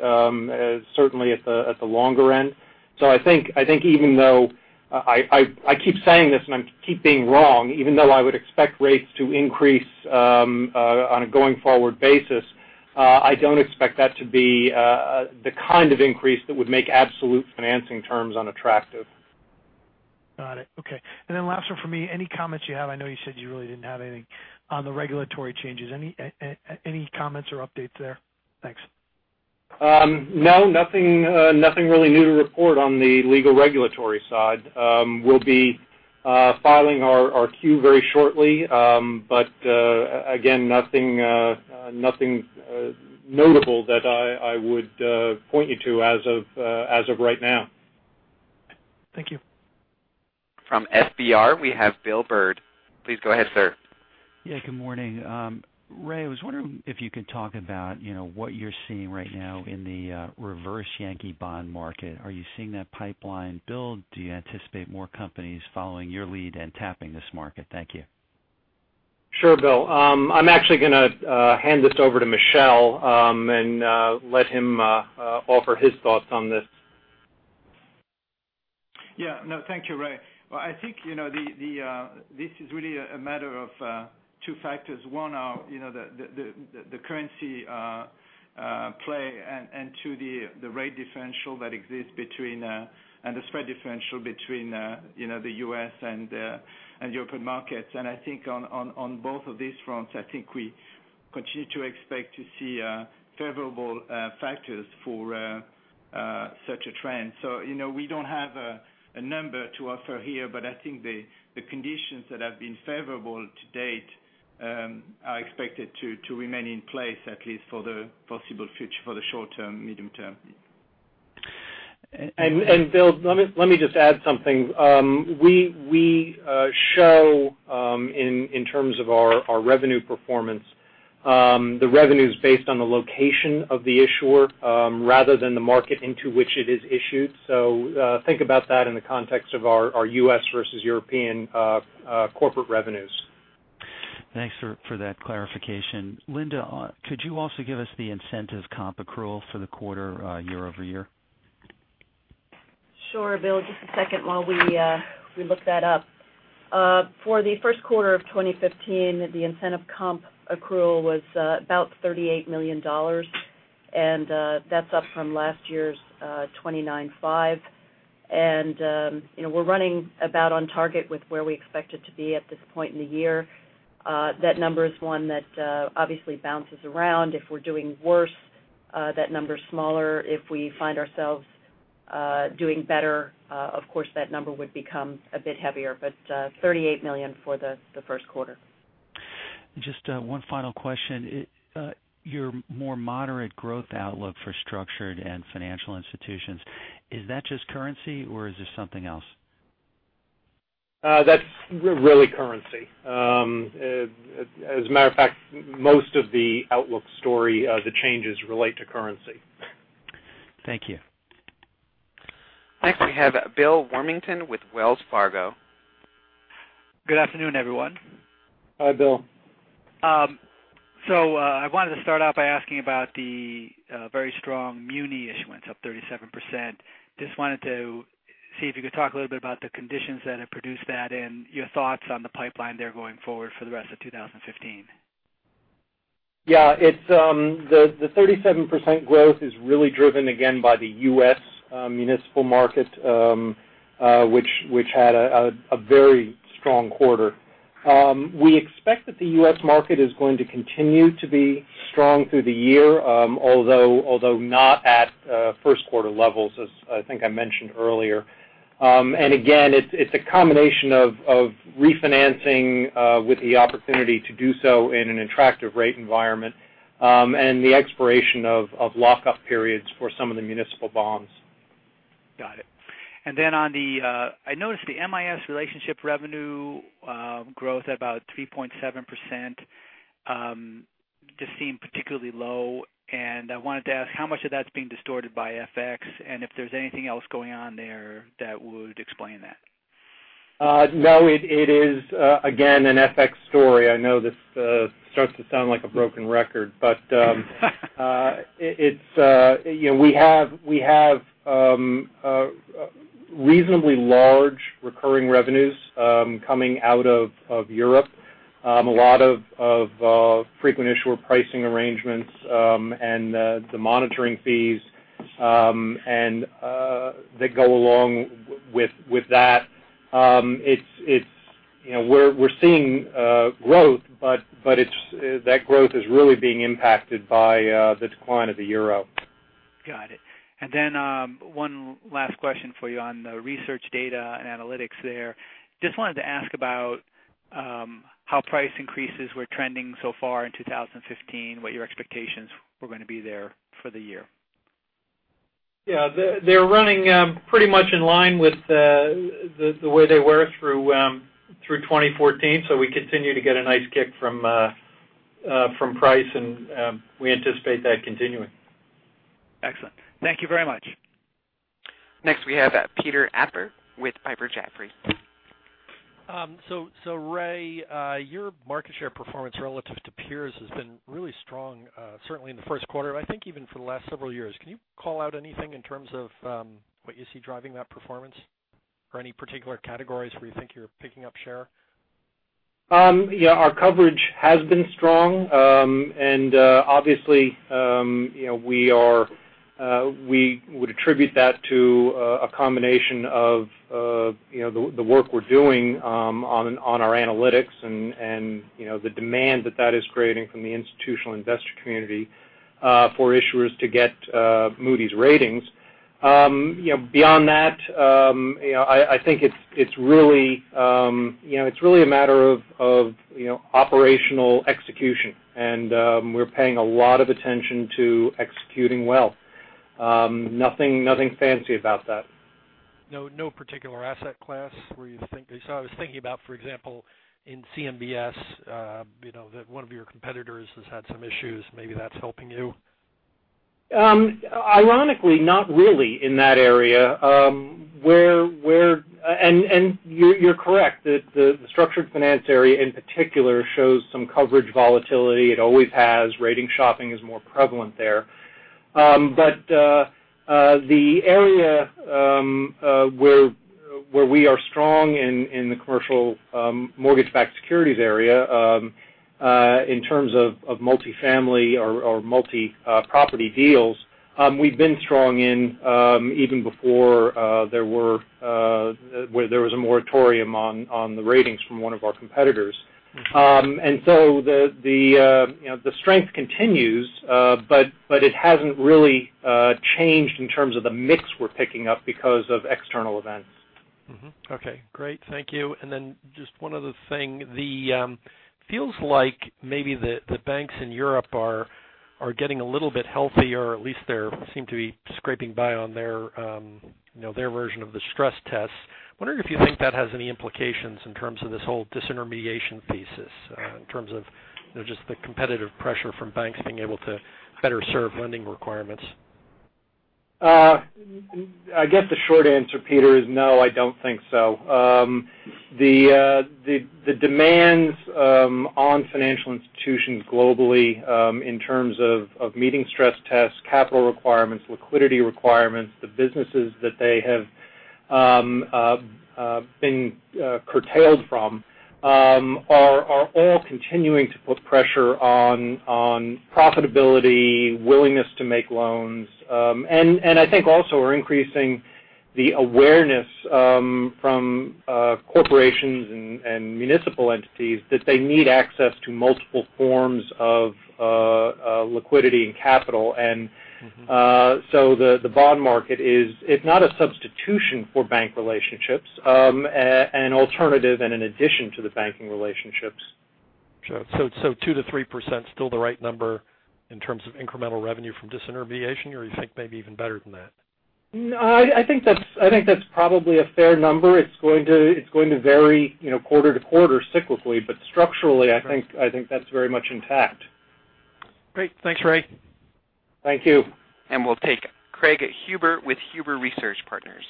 C: certainly at the longer end. I think even though I keep saying this and I keep being wrong, even though I would expect rates to increase on a going forward basis, I don't expect that to be the kind of increase that would make absolute financing terms unattractive.
K: Got it. Okay. Then last one from me, any comments you have, I know you said you really didn't have anything on the regulatory changes. Any comments or updates there? Thanks.
C: Nothing really new to report on the legal regulatory side. We'll be filing our Q very shortly. Again, nothing notable that I would point you to as of right now.
K: Thank you.
A: From FBR, we have Bill Bird. Please go ahead, sir.
L: Good morning. Ray, I was wondering if you could talk about what you're seeing right now in the reverse Yankee bond market. Are you seeing that pipeline build? Do you anticipate more companies following your lead and tapping this market? Thank you.
C: Sure, Bill. I'm actually going to hand this over to Michel and let him offer his thoughts on this.
I: Thank you, Ray. I think this is really a matter of two factors. One, the currency play, and two, the rate differential that exists between, and the spread differential between the U.S. and European markets. I think on both of these fronts, I think we continue to expect to see favorable factors for such a trend. We don't have a number to offer here, but I think the conditions that have been favorable to date are expected to remain in place, at least for the foreseeable future, for the short term, medium term.
C: Bill, let me just add something. We show in terms of our revenue performance, the revenues based on the location of the issuer rather than the market into which it is issued. Think about that in the context of our U.S. versus European corporate revenues.
L: Thanks for that clarification. Linda, could you also give us the incentive comp accrual for the quarter year-over-year?
D: Sure, Bill. Just a second while we look that up. For the first quarter of 2015, the incentive comp accrual was about $38 million. That's up from last year's $29.5 million. We're running about on target with where we expect it to be at this point in the year. That number is one that obviously bounces around. If we're doing worse, that number's smaller. If we find ourselves doing better, of course, that number would become a bit heavier. $38 million for the first quarter.
L: Just one final question. Your more moderate growth outlook for structured and financial institutions, is that just currency or is this something else?
C: That's really currency. As a matter of fact, most of the outlook story, the changes relate to currency.
L: Thank you.
A: Next, we have Bill Warmington with Wells Fargo.
M: Good afternoon, everyone.
C: Hi, Bill.
M: I wanted to start out by asking about the very strong muni issuance, up 37%. Just wanted to see if you could talk a little bit about the conditions that have produced that and your thoughts on the pipeline there going forward for the rest of 2015.
C: Yeah. The 37% growth is really driven again by the U.S. municipal market, which had a very strong quarter. We expect that the U.S. market is going to continue to be strong through the year, although not at first quarter levels, as I think I mentioned earlier. Again, it's a combination of refinancing with the opportunity to do so in an attractive rate environment, and the expiration of lockup periods for some of the municipal bonds.
M: Got it. I noticed the MIS relationship revenue growth at about 3.7%, just seemed particularly low. I wanted to ask how much of that's being distorted by FX and if there's anything else going on there that would explain that.
C: No, it is, again, an FX story. I know this starts to sound like a broken record. We have reasonably large recurring revenues coming out of Europe. A lot of frequent issuer pricing arrangements, and the monitoring fees that go along with that. We're seeing growth, but that growth is really being impacted by the decline of the euro.
M: Got it. One last question for you on the research data and analytics there. Just wanted to ask about how price increases were trending so far in 2015, what your expectations were going to be there for the year.
C: Yeah. They're running pretty much in line with the way they were through 2014. We continue to get a nice kick from price, and we anticipate that continuing.
M: Excellent. Thank you very much.
A: Next, we have Peter Appert with Piper Jaffray.
N: Ray, your market share performance relative to peers has been really strong, certainly in the first quarter, and I think even for the last several years. Can you call out anything in terms of what you see driving that performance? Or any particular categories where you think you're picking up share?
C: Yeah. Our coverage has been strong. Obviously, we would attribute that to a combination of the work we're doing on our analytics and the demand that that is creating from the institutional investor community for issuers to get Moody's ratings. Beyond that, I think it's really a matter of operational execution, and we're paying a lot of attention to executing well. Nothing fancy about that.
N: No particular asset class? I was thinking about, for example, in CMBS, that one of your competitors has had some issues. Maybe that's helping you?
C: Ironically, not really in that area. You're correct, the structured finance area in particular shows some coverage volatility. It always has. Rating shopping is more prevalent there. The area where we are strong in the commercial mortgage-backed securities area, in terms of multi-family or multi-property deals, we've been strong in even before there was a moratorium on the ratings from one of our competitors. The strength continues, but it hasn't really changed in terms of the mix we're picking up because of external events.
N: Okay, great. Thank you. Just one other thing. Feels like maybe the banks in Europe are getting a little bit healthier, or at least they seem to be scraping by on their version of the stress tests. I'm wondering if you think that has any implications in terms of this whole disintermediation thesis, in terms of just the competitive pressure from banks being able to better serve lending requirements.
C: I guess the short answer, Peter, is no, I don't think so. The demands on financial institutions globally, in terms of meeting stress tests, capital requirements, liquidity requirements, the businesses that they have been curtailed from are all continuing to put pressure on profitability, willingness to make loans, and I think also are increasing the awareness from corporations and municipal entities that they need access to multiple forms of liquidity and capital. The bond market is not a substitution for bank relationships, an alternative and an addition to the banking relationships.
N: Sure. 2%-3% is still the right number in terms of incremental revenue from disintermediation, or you think maybe even better than that?
C: No, I think that's probably a fair number. It's going to vary quarter-to-quarter cyclically, but structurally-
N: Right I think that's very much intact. Great. Thanks, Ray.
C: Thank you.
A: We'll take Craig Huber with Huber Research Partners.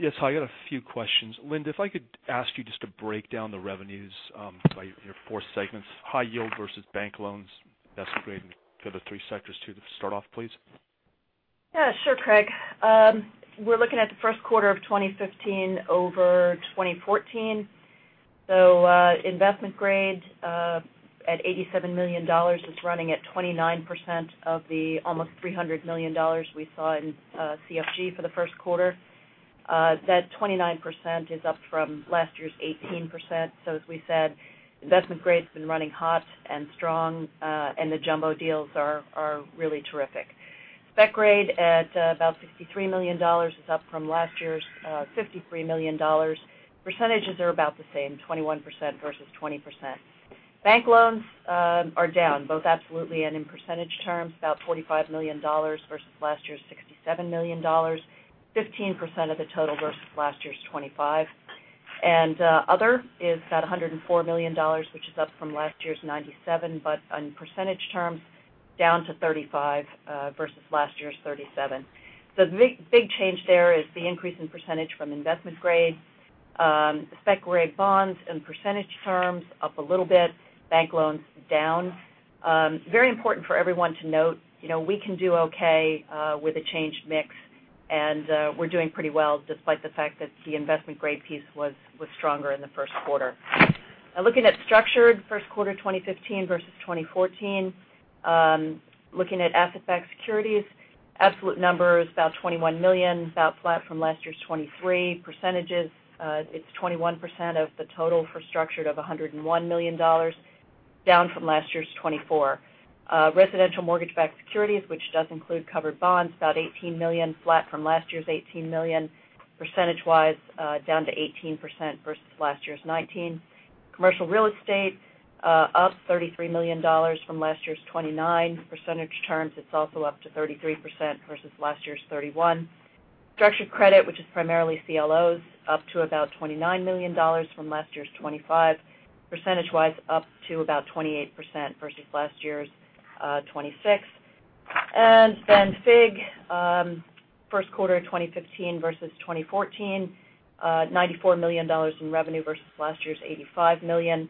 O: Yes. Hi, I've got a few questions. Linda, if I could ask you just to break down the revenues by your four segments, high-yield versus bank loans, investment-grade, and the other three sectors too to start off, please.
D: Yeah, sure, Craig. We're looking at the first quarter of 2015 over 2014. Investment-grade at $87 million is running at 29% of the almost $300 million we saw in CFG for the first quarter. That 29% is up from last year's 18%. As we said, investment-grade's been running hot and strong, and the jumbo deals are really terrific. Spec-grade at about $63 million is up from last year's $53 million. Percentages are about the same, 21% versus 20%. Bank loans are down both absolutely and in percentage terms, about $45 million versus last year's $67 million. 15% of the total versus last year's 25%. Other is at $104 million, which is up from last year's $97 million, but on percentage terms, down to 35% versus last year's 37%. The big change there is the increase in percentage from investment-grade. Spec-grade bonds in percentage terms up a little bit. Bank loans down. Very important for everyone to note. We can do okay with a changed mix, and we're doing pretty well despite the fact that the investment-grade piece was stronger in the first quarter. Looking at structured first quarter 2015 versus 2014. Looking at asset-backed securities. Absolute number is about $21 million, about flat from last year's $23 million. Percentages, it's 21% of the total for structured of $101 million, down from last year's 24%. Residential mortgage-backed securities, which does include covered bonds, about $18 million, flat from last year's $18 million. Percentage-wise, down to 18% versus last year's 19%. Commercial real estate up $33 million from last year's $29 million. Percentage terms, it's also up to 33% versus last year's 31%. Structured credit, which is primarily CLOs, up to about $29 million from last year's $25 million. Percentage-wise, up to about 28% versus last year's 26%. FIG first quarter 2015 versus 2014. $94 million in revenue versus last year's $85 million.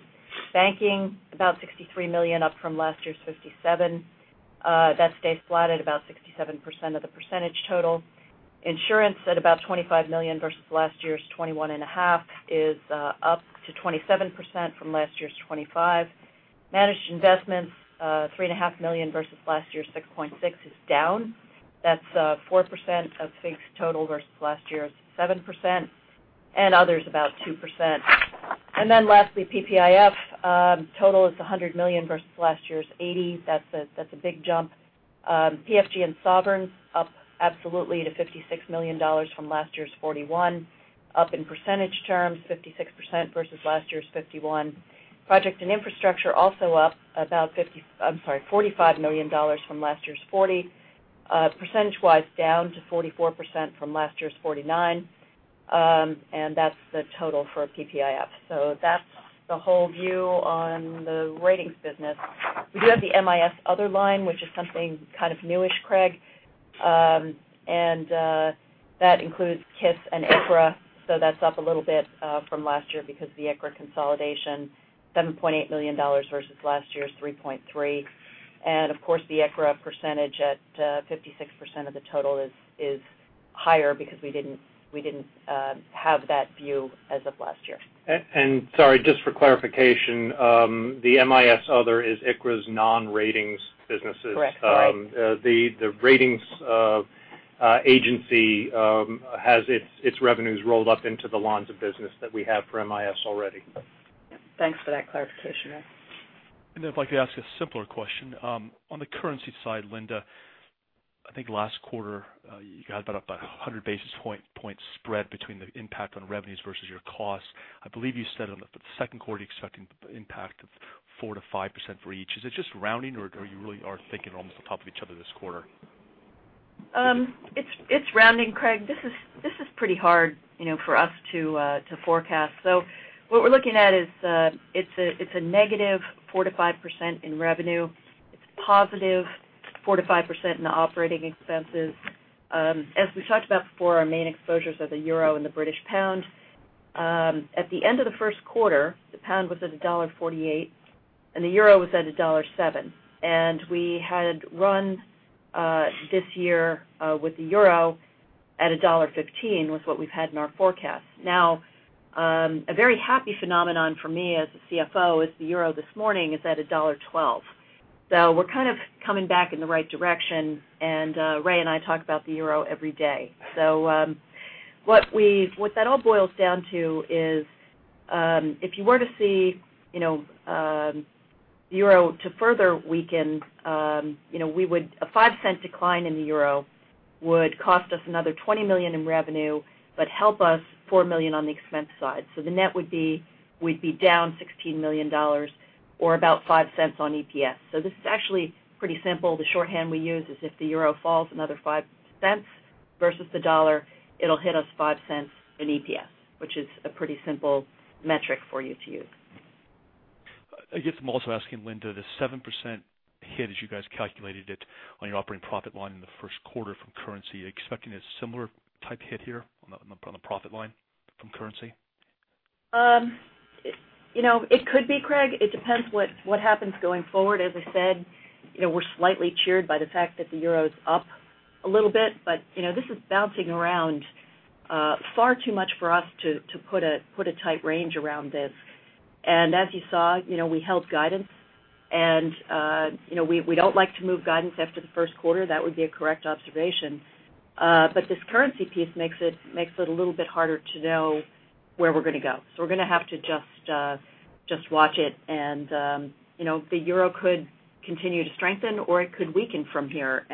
D: Banking, about $63 million, up from last year's $57 million. That stays flat at about 67% of the percentage total. Insurance at about $25 million versus last year's $21.5 million is up to 27% from last year's 25%. Managed investments, $3.5 million versus last year's $6.6 million, is down. That's 4% of FIG's total versus last year's 7%. Others, about 2%. Lastly, PPIF. Total is $100 million versus last year's $80 million. That's a big jump. PFG and Sovereign up absolutely to $56 million from last year's $41 million. Up in percentage terms, 56% versus last year's 51%. Project and infrastructure also up about $45 million from last year's $40 million. Percentage-wise, down to 44% from last year's 49%. That's the total for PPIF. That's the whole view on the ratings business. We do have the MIS other line, which is something kind of new-ish, Craig. That includes KIS and ICRA. That's up a little bit from last year because the ICRA consolidation, $7.8 million versus last year's $3.3 million. Of course, the ICRA percentage at 56% of the total is higher because we didn't have that view as of last year.
C: Sorry, just for clarification, the MIS other is ICRA's non-ratings businesses.
D: Correct.
C: The ratings agency has its revenues rolled up into the lines of business that we have for MIS already.
D: Thanks for that clarification, Ray.
O: If I could ask a simpler question. On the currency side, Linda, I think last quarter, you had about 100 basis points spread between the impact on revenues versus your costs. I believe you said on the second quarter, you are expecting the impact of 4%-5% for each. Is it just rounding, or you really are thinking almost on top of each other this quarter?
D: It is rounding, Craig. This is pretty hard for us to forecast. What we are looking at is it is a negative 4%-5% in revenue. It is a positive 4%-5% in the operating expenses. As we have talked about before, our main exposures are the euro and the British pound. At the end of the first quarter, the pound was at $1.48, and the euro was at $1.07. We had run this year with the euro at $1.15 with what we have had in our forecast. Now, a very happy phenomenon for me as the CFO is the euro this morning is at $1.12. Ray and I talk about the euro every day. What that all boils down to is, if you were to see euro to further weaken, a $0.05 decline in the euro would cost us another $20 million in revenue, but help us $4 million on the expense side. The net would be, we would be down $16 million or about $0.05 on EPS. This is actually pretty simple. The shorthand we use is if the euro falls another $0.05 versus the dollar, it will hit us $0.05 in EPS, which is a pretty simple metric for you to use.
O: I guess I'm also asking, Linda, the 7% hit as you guys calculated it on your operating profit line in the first quarter from currency, expecting a similar type hit here on the profit line from currency?
D: It could be, Craig. It depends what happens going forward. As I said, we're slightly cheered by the fact that the euro's up a little bit. This is bouncing around far too much for us to put a tight range around this. As you saw, we held guidance, and we don't like to move guidance after the first quarter. That would be a correct observation. This currency piece makes it a little bit harder to know where we're going to go. We're going to have to just watch it. The euro could continue to strengthen, or it could weaken from here.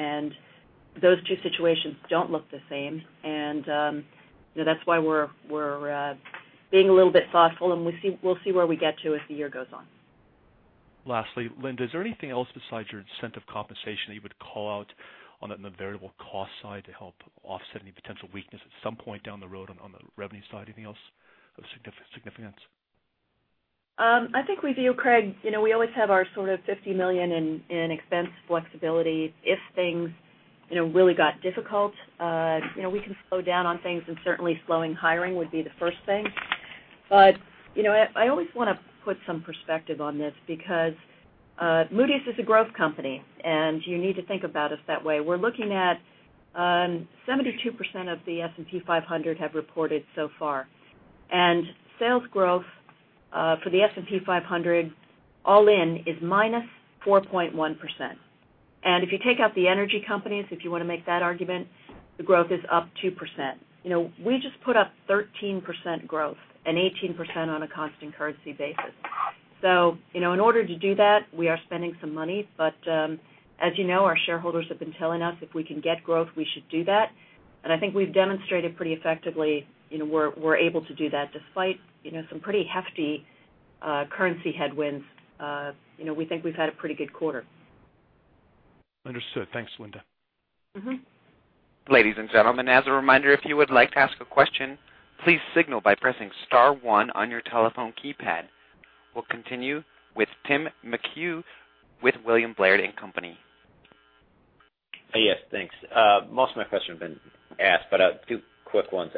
D: Those two situations don't look the same. That's why we're being a little bit thoughtful, and we'll see where we get to as the year goes on.
O: Lastly, Linda, is there anything else besides your incentive compensation that you would call out on the variable cost side to help offset any potential weakness at some point down the road on the revenue side? Anything else of significance?
D: I think we do, Craig. We always have our sort of $50 million in expense flexibility. If things really got difficult, we can slow down on things, and certainly slowing hiring would be the first thing. I always want to put some perspective on this because Moody's is a growth company, and you need to think about us that way. We're looking at 72% of the S&P 500 have reported so far. Sales growth for the S&P 500 all in is minus 4.1%. If you take out the energy companies, if you want to make that argument, the growth is up 2%. We just put up 13% growth and 18% on a constant currency basis. In order to do that, we are spending some money. As you know, our shareholders have been telling us if we can get growth, we should do that. I think we've demonstrated pretty effectively we're able to do that despite some pretty hefty currency headwinds. We think we've had a pretty good quarter.
O: Understood. Thanks, Linda.
A: Ladies and gentlemen, as a reminder, if you would like to ask a question, please signal by pressing star one on your telephone keypad. We'll continue with Timothy McHugh with William Blair & Company.
P: Thanks. Most of my questions have been asked, but two quick ones.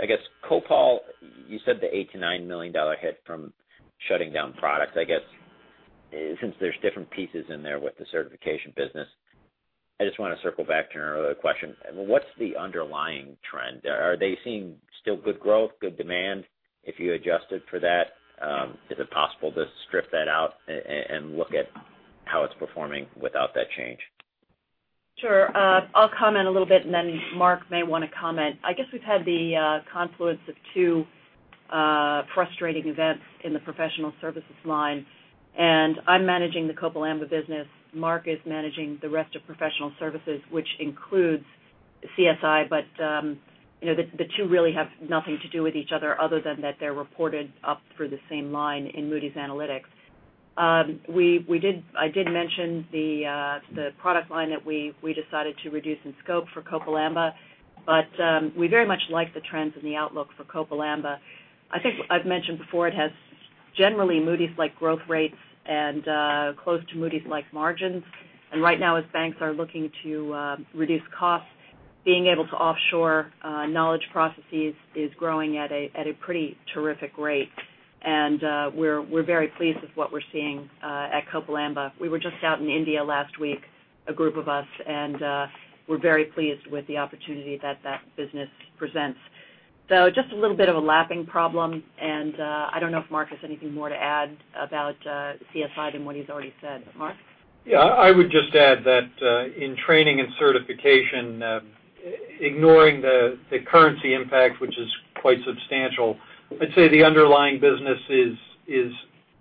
P: Copal, you said the $8 million-$9 million hit from shutting down products. Since there's different pieces in there with the certification business, I just want to circle back to an earlier question. What's the underlying trend there? Are they seeing still good growth, good demand, if you adjusted for that? Is it possible to strip that out and look at how it's performing without that change?
D: Sure. I'll comment a little bit. Mark may want to comment. I guess we've had the confluence of two frustrating events in the professional services line. I'm managing the Copal Amba business. Mark is managing the rest of professional services, which includes CSI. The two really have nothing to do with each other than that they're reported up through the same line in Moody's Analytics. I did mention the product line that we decided to reduce in scope for Copal Amba. We very much like the trends and the outlook for Copal Amba. I think I've mentioned before it has generally Moody's-like growth rates and close to Moody's-like margins. Right now, as banks are looking to reduce costs, being able to offshore knowledge processes is growing at a pretty terrific rate. We're very pleased with what we're seeing at Copal Amba. We were just out in India last week, a group of us. We're very pleased with the opportunity that that business presents. Just a little bit of a lapping problem. I don't know if Mark has anything more to add about CSI than what he's already said. Mark?
G: I would just add that in training and certification, ignoring the currency impact, which is quite substantial, I'd say the underlying business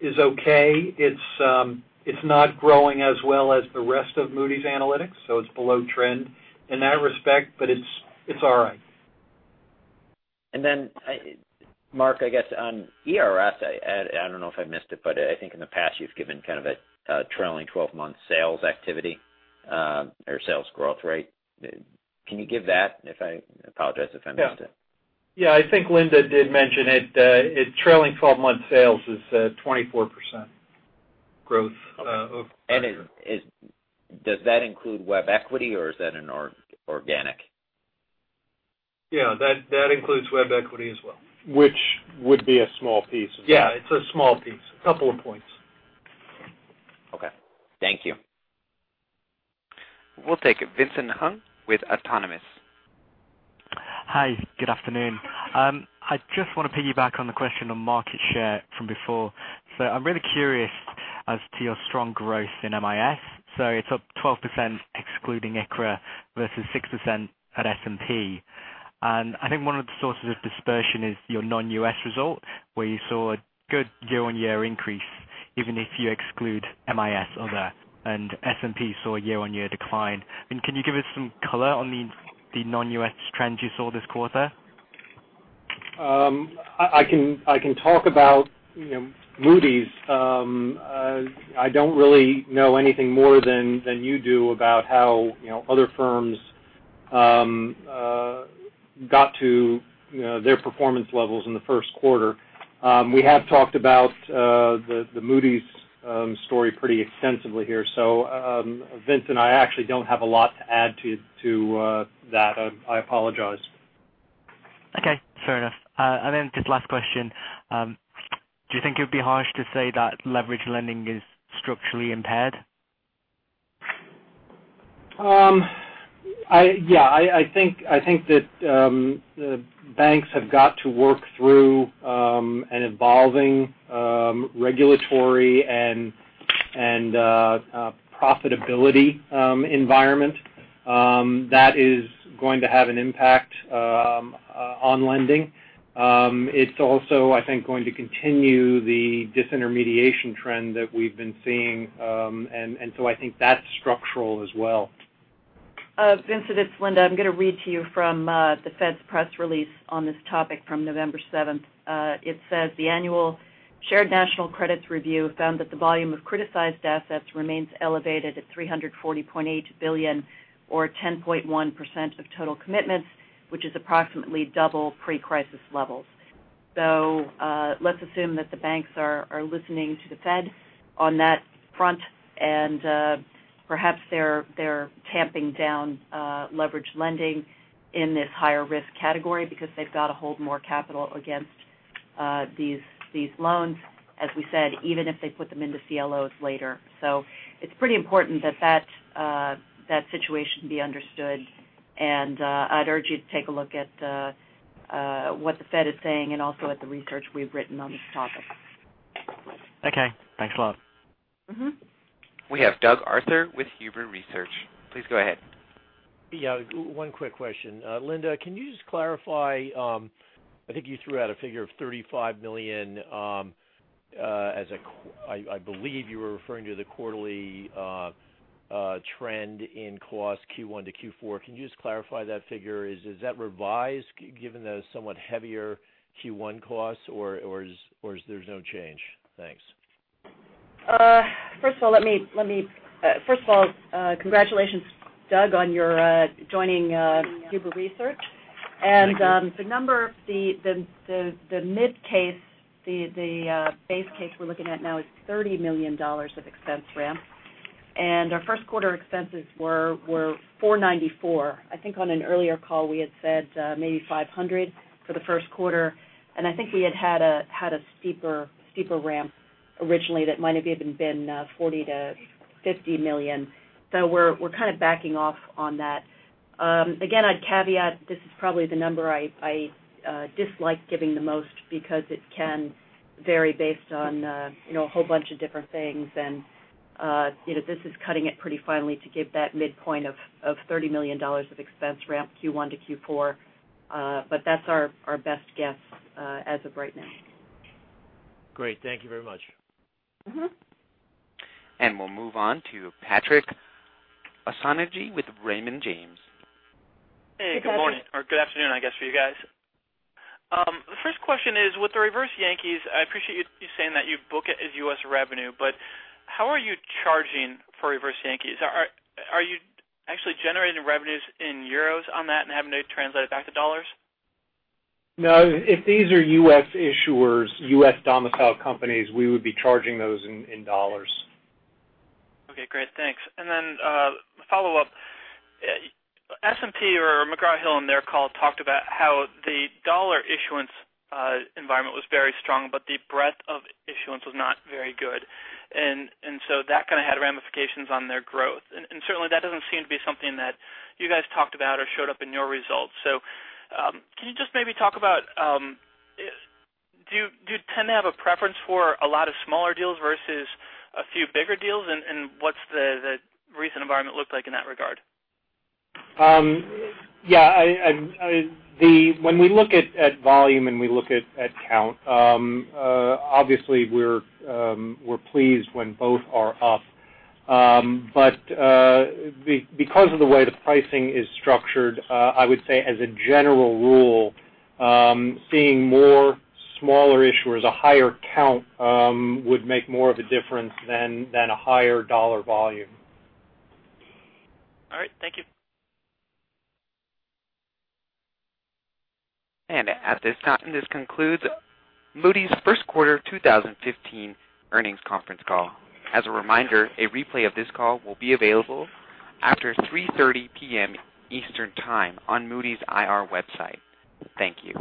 G: is okay. It's not growing as well as the rest of Moody's Analytics. It's below trend in that respect. It's all right.
P: Mark, I guess on ERS, I don't know if I missed it. I think in the past you've given kind of a trailing 12-month sales activity or sales growth rate. Can you give that? I apologize if I missed it.
G: Yeah. I think Linda did mention it. Trailing 12-month sales is 24%.
C: Growth of-
P: Does that include WebEquity or is that an organic?
C: Yeah, that includes WebEquity as well.
D: Which would be a small piece.
C: Yeah, it's a small piece. A couple of points.
P: Okay. Thank you.
A: We'll take Vincent Hung with Autonomous.
Q: Hi, good afternoon. I just want to piggyback on the question on market share from before. I'm really curious as to your strong growth in MIS. It's up 12% excluding ICRA versus 6% at S&P. I think one of the sources of dispersion is your non-U.S. result, where you saw a good year-on-year increase, even if you exclude MIS. S&P saw a year-on-year decline. Can you give us some color on the non-U.S. trends you saw this quarter?
C: I can talk about Moody's. I don't really know anything more than you do about how other firms got to their performance levels in the first quarter. We have talked about the Moody's story pretty extensively here. Vincent, I actually don't have a lot to add to that. I apologize.
Q: Okay, fair enough. Just last question. Do you think it would be harsh to say that leverage lending is structurally impaired?
C: Yeah. I think that the banks have got to work through an evolving regulatory and profitability environment. That is going to have an impact on lending. It's also, I think, going to continue the disintermediation trend that we've been seeing. I think that's structural as well.
D: Vincent, it's Linda. I'm going to read to you from the Fed's press release on this topic from November 7. It says, "The annual Shared National Credit Program review found that the volume of criticized assets remains elevated at $340.8 billion or 10.1% of total commitments, which is approximately double pre-crisis levels." Let's assume that the banks are listening to the Fed on that front, and perhaps they're tamping down leverage lending in this higher risk category because they've got to hold more capital against these loans, as we said, even if they put them into CLOs later. It's pretty important that that situation be understood. I'd urge you to take a look at what the Fed is saying and also at the research we've written on this topic.
Q: Okay, thanks a lot.
A: We have Doug Arthur with Huber Research. Please go ahead.
R: One quick question. Linda, can you just clarify, I think you threw out a figure of $35 million. I believe you were referring to the quarterly trend in costs Q1 to Q4. Can you just clarify that figure? Is that revised given the somewhat heavier Q1 costs, or there's no change? Thanks.
D: First of all, congratulations, Doug, on your joining Huber Research.
R: Thank you.
D: The mid case, the base case we're looking at now is $30 million of expense ramp. Our first quarter expenses were $494. I think on an earlier call, we had said maybe $500 for the first quarter, and I think we had a steeper ramp originally that might have even been $40 million-$50 million. We're kind of backing off on that. Again, I'd caveat this is probably the number I dislike giving the most because it can vary based on a whole bunch of different things. This is cutting it pretty finely to give that midpoint of $30 million of expense ramp Q1 to Q4. That's our best guess as of right now.
R: Great. Thank you very much.
A: We'll move on to Patrick McMahon with Raymond James.
S: Hey, good morning, or good afternoon, I guess, for you guys. The first question is, with the reverse Yankees, I appreciate you saying that you book it as U.S. revenue, but how are you charging for reverse Yankees? Are you actually generating revenues in euros on that and having to translate it back to dollars?
C: No. If these are U.S. issuers, U.S. domicile companies, we would be charging those in dollars.
S: Okay, great. Thanks. A follow-up. S&P or McGraw Hill on their call talked about how the dollar issuance environment was very strong, but the breadth of issuance was not very good. That kind of had ramifications on their growth. Certainly, that doesn't seem to be something that you guys talked about or showed up in your results. Can you just maybe talk about, do you tend to have a preference for a lot of smaller deals versus a few bigger deals? What's the recent environment look like in that regard?
C: Yeah. When we look at volume and we look at count, obviously we're pleased when both are up. Because of the way the pricing is structured, I would say as a general rule, seeing more smaller issuers, a higher count would make more of a difference than a higher dollar volume.
S: All right, thank you.
A: At this time, this concludes Moody's first quarter 2015 earnings conference call. As a reminder, a replay of this call will be available after 3:30 P.M. Eastern Time on Moody's IR website. Thank you.